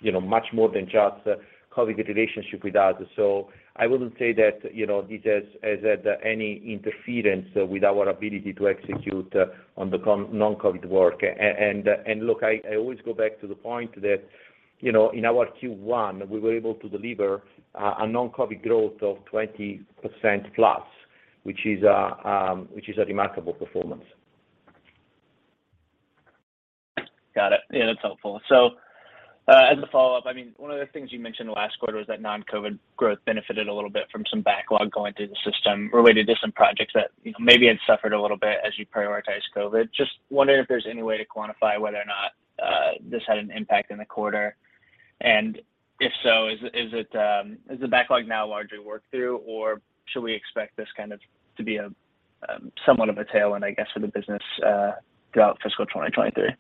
you know, much more than just a COVID relationship with us. I wouldn't say that, you know, this has had any interference with our ability to execute on the non-COVID work. Look, I always go back to the point that, you know, in our Q1, we were able to deliver a non-COVID growth of 20%+, which is a remarkable performance. Got it. Yeah, that's helpful. As a follow-up, I mean, one of the things you mentioned last quarter was that non-COVID growth benefited a little bit from some backlog going through the system related to some projects that, you know, maybe had suffered a little bit as you prioritize COVID. Just wondering if there's any way to quantify whether or not this had an impact in the quarter. If so, is the backlog now largely worked through, or should we expect this kind of to be a somewhat of a tailwind, I guess, for the business throughout fiscal 2023?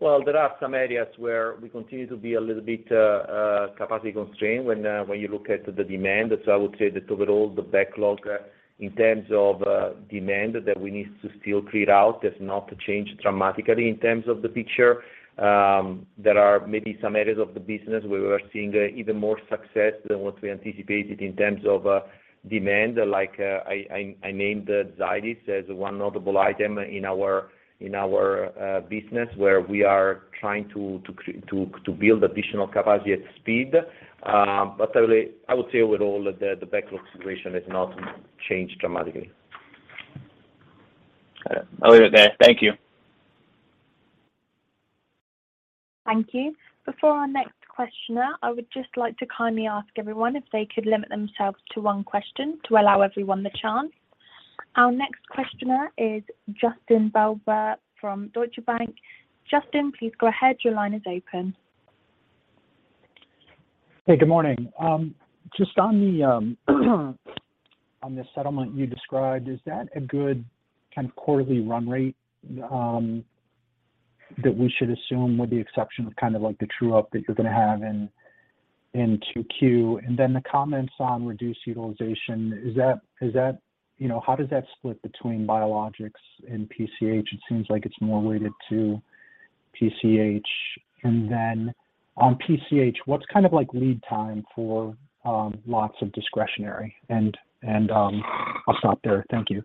Well, there are some areas where we continue to be a little bit capacity constrained when you look at the demand. I would say that overall the backlog in terms of demand that we need to still clear out has not changed dramatically in terms of the picture. There are maybe some areas of the business where we're seeing even more success than what we anticipated in terms of demand. Like, I named Zydis as one notable item in our business where we are trying to build additional capacity at speed. I would say with all the backlog situation has not changed dramatically. Got it. I'll leave it there. Thank you. Thank you. Before our next questioner, I would just like to kindly ask everyone if they could limit themselves to one question to allow everyone the chance. Our next questioner is Justin Bowers from Deutsche Bank. Justin, please go ahead. Your line is open. Hey, good morning. Just on the settlement you described, is that a good kind of quarterly run rate that we should assume with the exception of kind of like the true-up that you're gonna have in 2Q? Then the comments on reduced utilization, is that you know how does that split between biologics and PCH? It seems like it's more weighted to PCH. Then on PCH, what's kind of like lead time for lots of discretionary? I'll stop there. Thank you.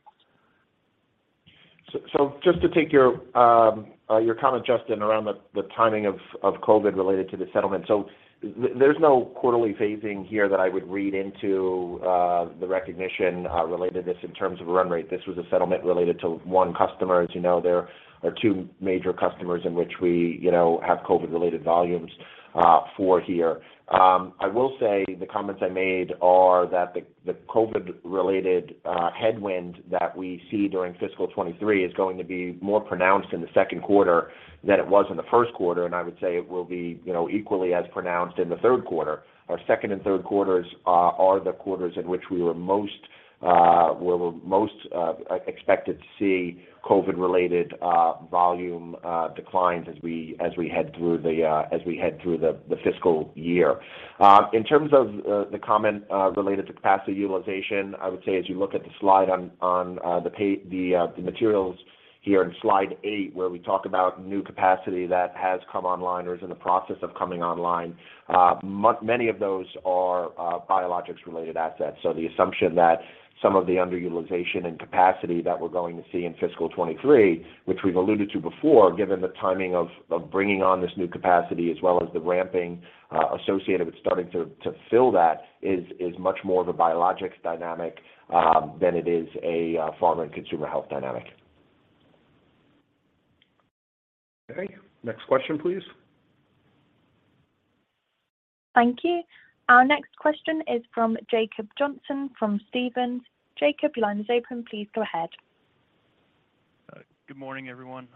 Just to take your comment, Justin, around the timing of COVID related to the settlement. There's no quarterly phasing here that I would read into the recognition related to this in terms of run rate. This was a settlement related to one customer. As you know, there are two major customers in which we, you know, have COVID-related volumes for here. I will say the comments I made are that the COVID-related headwind that we see during fiscal 2023 is going to be more pronounced in the Q2 than it was in the Q1, and I would say it will be, you know, equally as pronounced in the third quarter. Our second and third quarters are the quarters in which we're most expected to see COVID-related volume declines as we head through the fiscal year. In terms of the comment related to capacity utilization, I would say as you look at the slide in the materials here in slide 8 where we talk about new capacity that has come online or is in the process of coming online, many of those are biologics-related assets. The assumption that some of the underutilization and capacity that we're going to see in fiscal 23, which we've alluded to before, given the timing of bringing on this new capacity as well as the ramping associated with starting to fill that is much more of a biologics dynamic than it is a pharma and consumer health dynamic. Okay. Next question, please. Thank you. Our next question is from Jacob Johnson from Stephens. Jacob, your line is open. Please go ahead. Good morning, everyone.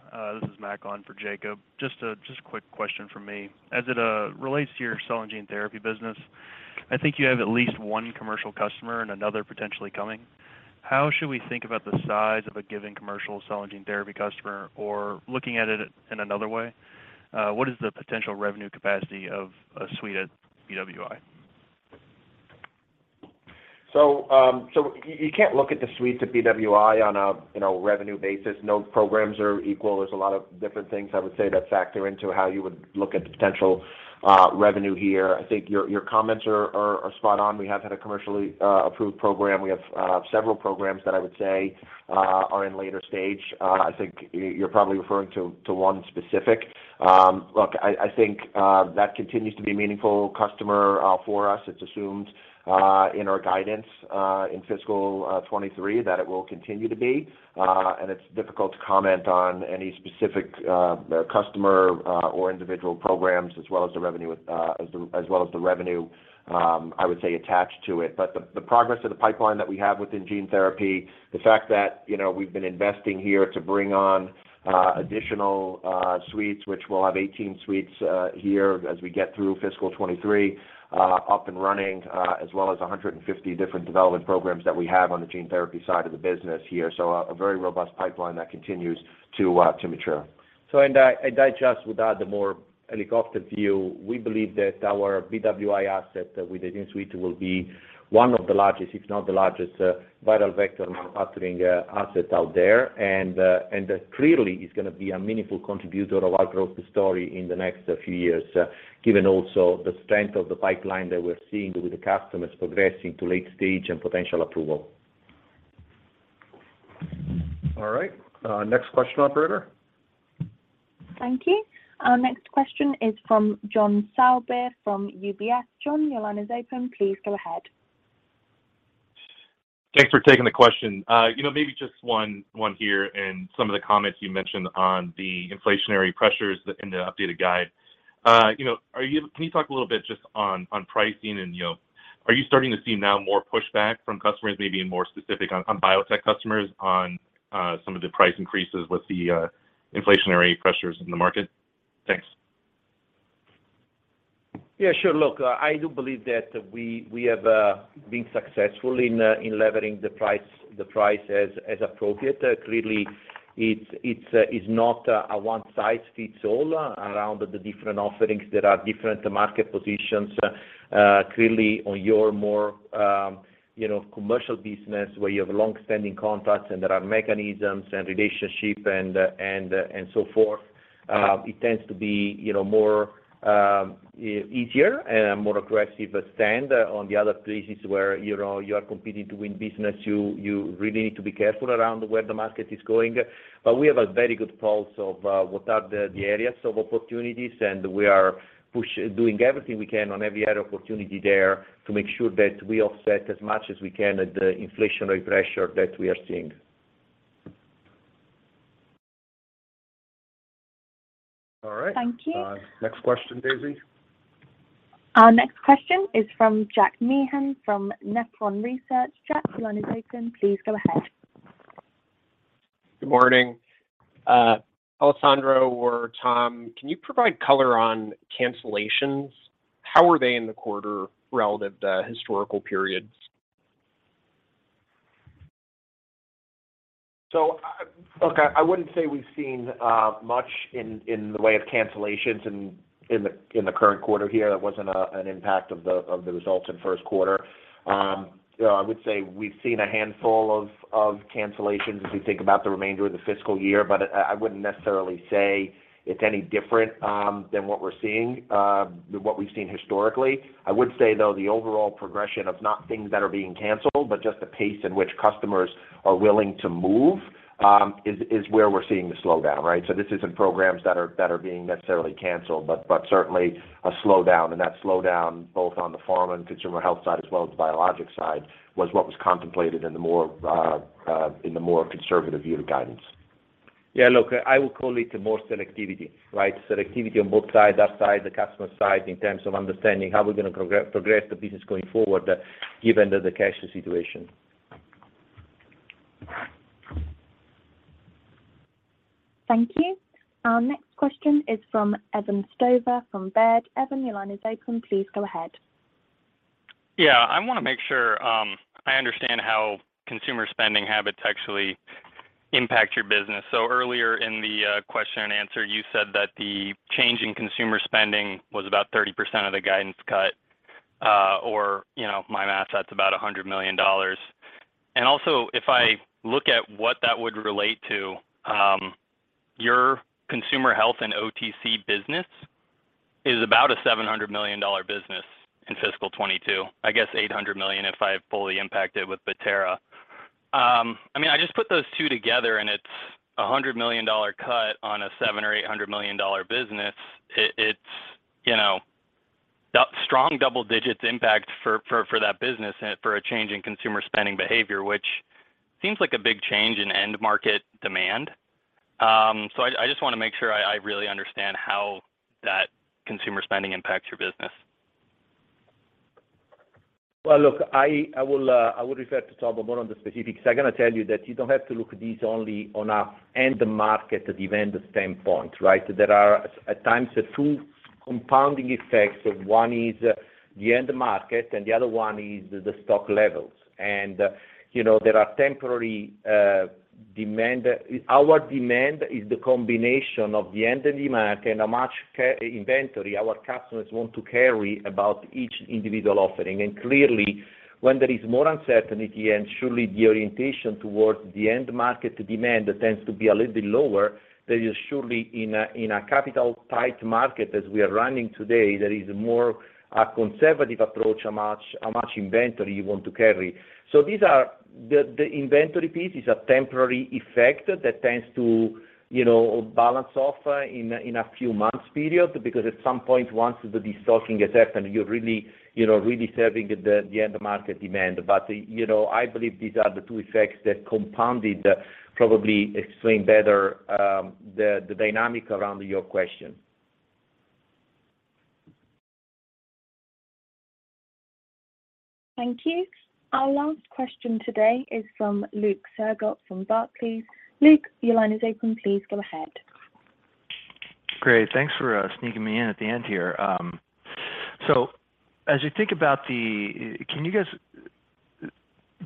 This is Mack on for Jacob. Just a quick question from me. As it relates to your cell and gene therapy business, I think you have at least one commercial customer and another potentially coming. How should we think about the size of a given commercial cell and gene therapy customer? Or looking at it in another way, what is the potential revenue capacity of a suite at BWI? you can't look at the suites at BWI on a you know revenue basis. No programs are equal. There's a lot of different things I would say that factor into how you would look at the potential revenue here. I think your comments are spot on. We have had a commercially approved program. We have several programs that I would say are in later stage. I think you're probably referring to one specific. Look, I think that continues to be a meaningful customer for us. It's assumed in our guidance in fiscal 2023 that it will continue to be, and it's difficult to comment on any specific customer or individual programs as well as the revenue I would say attached to it. The progress of the pipeline that we have within gene therapy, the fact that, you know, we've been investing here to bring on additional suites, which we'll have 18 suites here as we get through fiscal 2023 up and running, as well as 150 different development programs that we have on the gene therapy side of the business here. A very robust pipeline that continues to mature. I agree with that. From the more helicopter view, we believe that our BWI asset with the gene suite will be one of the largest, if not the largest, viral vector manufacturing assets out there. That clearly is gonna be a meaningful contributor to our growth story in the next few years, given also the strength of the pipeline that we're seeing with the customers progressing to late stage and potential approval. All right. Next question, operator. Thank you. Our next question is from John Sourbeer from UBS. John, your line is open. Please go ahead. Thanks for taking the question. You know, maybe just one here and some of the comments you mentioned on the inflationary pressures that in the updated guide. You know, can you talk a little bit just on pricing and, you know, are you starting to see now more pushback from customers, maybe being more specific on biotech customers on some of the price increases with the inflationary pressures in the market? Thanks. Yeah, sure. Look, I do believe that we have been successful in leveraging the price as appropriate. Clearly, it's not a one-size-fits-all around the different offerings. There are different market positions. Clearly on your more commercial business where you have long-standing contracts and there are mechanisms and relationships and so forth, it tends to be, you know, easier and more aggressive stance. In the other places where, you know, you are competing to win business, you really need to be careful around where the market is going. We have a very good pulse of what are the areas of opportunities, and we are doing everything we can on every opportunity there to make sure that we offset as much as we can at the inflationary pressure that we are seeing. All right. Thank you. Next question, Daisy. Our next question is from Jack Meehan from Nephron Research. Jack, your line is open. Please go ahead. Good morning. Alessandro or Tom, can you provide color on cancellations? How were they in the quarter relative to historical periods? Look, I wouldn't say we've seen much in the way of cancellations in the current quarter here. That wasn't an impact of the results in Q1. I would say we've seen a handful of cancellations as we think about the remainder of the fiscal year, but I wouldn't necessarily say it's any different than what we're seeing than what we've seen historically. I would say, though, the overall progression of not things that are being canceled, but just the pace in which customers are willing to move is where we're seeing the slowdown, right? This isn't programs that are being necessarily canceled, but certainly a slowdown. That slowdown, both on the pharma and consumer health side as well as the biologic side, was what was contemplated in the more conservative view of the guidance. Yeah, look, I would call it more selectivity, right? Selectivity on both sides, our side, the customer side, in terms of understanding how we're gonna progress the business going forward given the cash situation. Thank you. Our next question is from Evan Stover from Baird. Evan, your line is open. Please go ahead. Yeah. I wanna make sure I understand how consumer spending habits actually impact your business. Earlier in the question and answer, you said that the change in consumer spending was about 30% of the guidance cut, or you know, my math, that's about $100 million. Also, if I look at what that would relate to, your consumer health and OTC business is about a $700 million business in fiscal 2022. I guess $800 million if I fully impact it with Bettera. I mean, I just put those two together and it's a $100 million cut on a $700 million or $800 million business. It's you know, a strong double-digit impact for that business and for a change in consumer spending behavior, which seems like a big change in end market demand. I just wanna make sure I really understand how that consumer spending impacts your business. Well, look, I will refer to Tom more on the specifics. I gotta tell you that you don't have to look at this only on an end market demand standpoint, right? There are at times two compounding effects of one is the end market, and the other one is the stock levels. You know, there are temporary demand. Our demand is the combination of the end demand and how much inventory our customers want to carry about each individual offering. Clearly, when there is more uncertainty and surely the orientation towards the end market demand tends to be a little bit lower, there is surely in a capital tight market as we are running today, there is more a conservative approach, how much inventory you want to carry. These are the inventory piece is a temporary effect that tends to, you know, balance off in a few months period, because at some point, once the destocking is happened, you're really, you know, really serving the end market demand. You know, I believe these are the two effects that compounded, probably explain better the dynamic around your question. Thank you. Our last question today is from Luke Sergott from Barclays. Luke, your line is open. Please go ahead. Great. Thanks for sneaking me in at the end here. Can you guys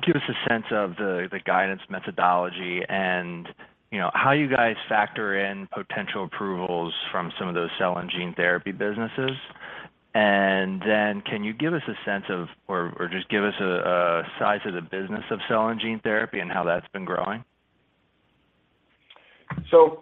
give us a sense of the guidance methodology and, you know, how you guys factor in potential approvals from some of those cell and gene therapy businesses? Can you give us a sense of or just give us a size of the business of cell and gene therapy and how that's been growing? Sure,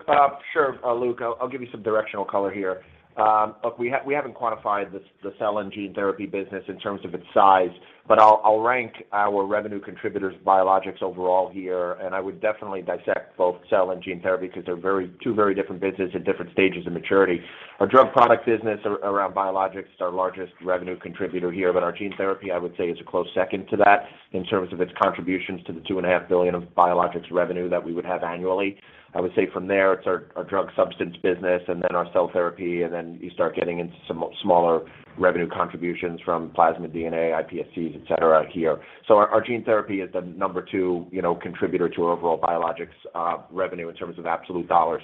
Luke, I'll give you some directional color here. Look, we haven't quantified the cell and gene therapy business in terms of its size, but I'll rank our revenue contributors biologics overall here, and I would definitely dissect both cell and gene therapy because they're two very different businesses at different stages of maturity. Our drug product business around biologics is our largest revenue contributor here, but our gene therapy, I would say, is a close second to that in terms of its contributions to the $2.5 billion of biologics revenue that we would have annually. I would say from there, it's our drug substance business and then our cell therapy, and then you start getting into some smaller revenue contributions from plasmid DNA, iPSCs, et cetera, here. Our gene therapy is the number two, you know, contributor to our overall biologics revenue in terms of absolute dollars.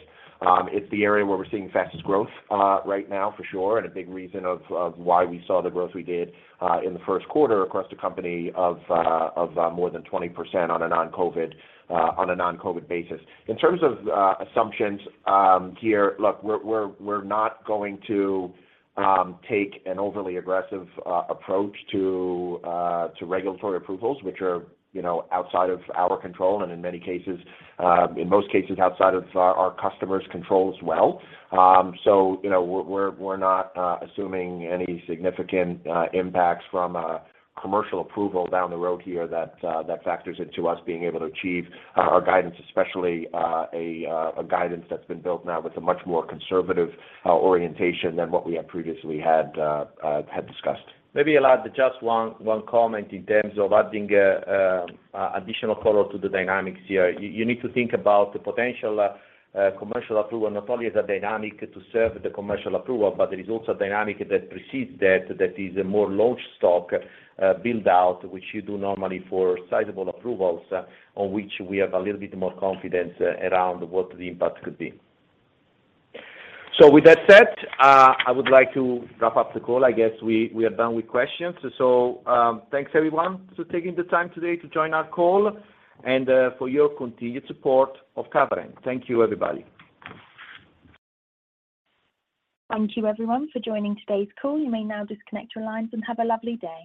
It's the area where we're seeing fastest growth right now, for sure, and a big reason of why we saw the growth we did in the Q1 across the company of more than 20% on a non-COVID basis. In terms of assumptions, here, look, we're not going to take an overly aggressive approach to regulatory approvals, which are, you know, outside of our control and in many cases, in most cases, outside of our customers' control as well. You know, we're not assuming any significant impacts from a commercial approval down the road here that factors into us being able to achieve our guidance, especially a guidance that's been built now with a much more conservative orientation than what we have previously had discussed. Maybe I'll add just one comment in terms of adding additional color to the dynamics here. You need to think about the potential commercial approval not only as a dynamic to serve the commercial approval, but there is also a dynamic that precedes that that is a more launch stock build-out, which you do normally for sizable approvals on which we have a little bit more confidence around what the impact could be. With that said, I would like to wrap up the call. I guess we are done with questions. Thanks everyone for taking the time today to join our call and for your continued support of Catalent. Thank you, everybody. Thank you everyone for joining today's call. You may now disconnect your lines and have a lovely day.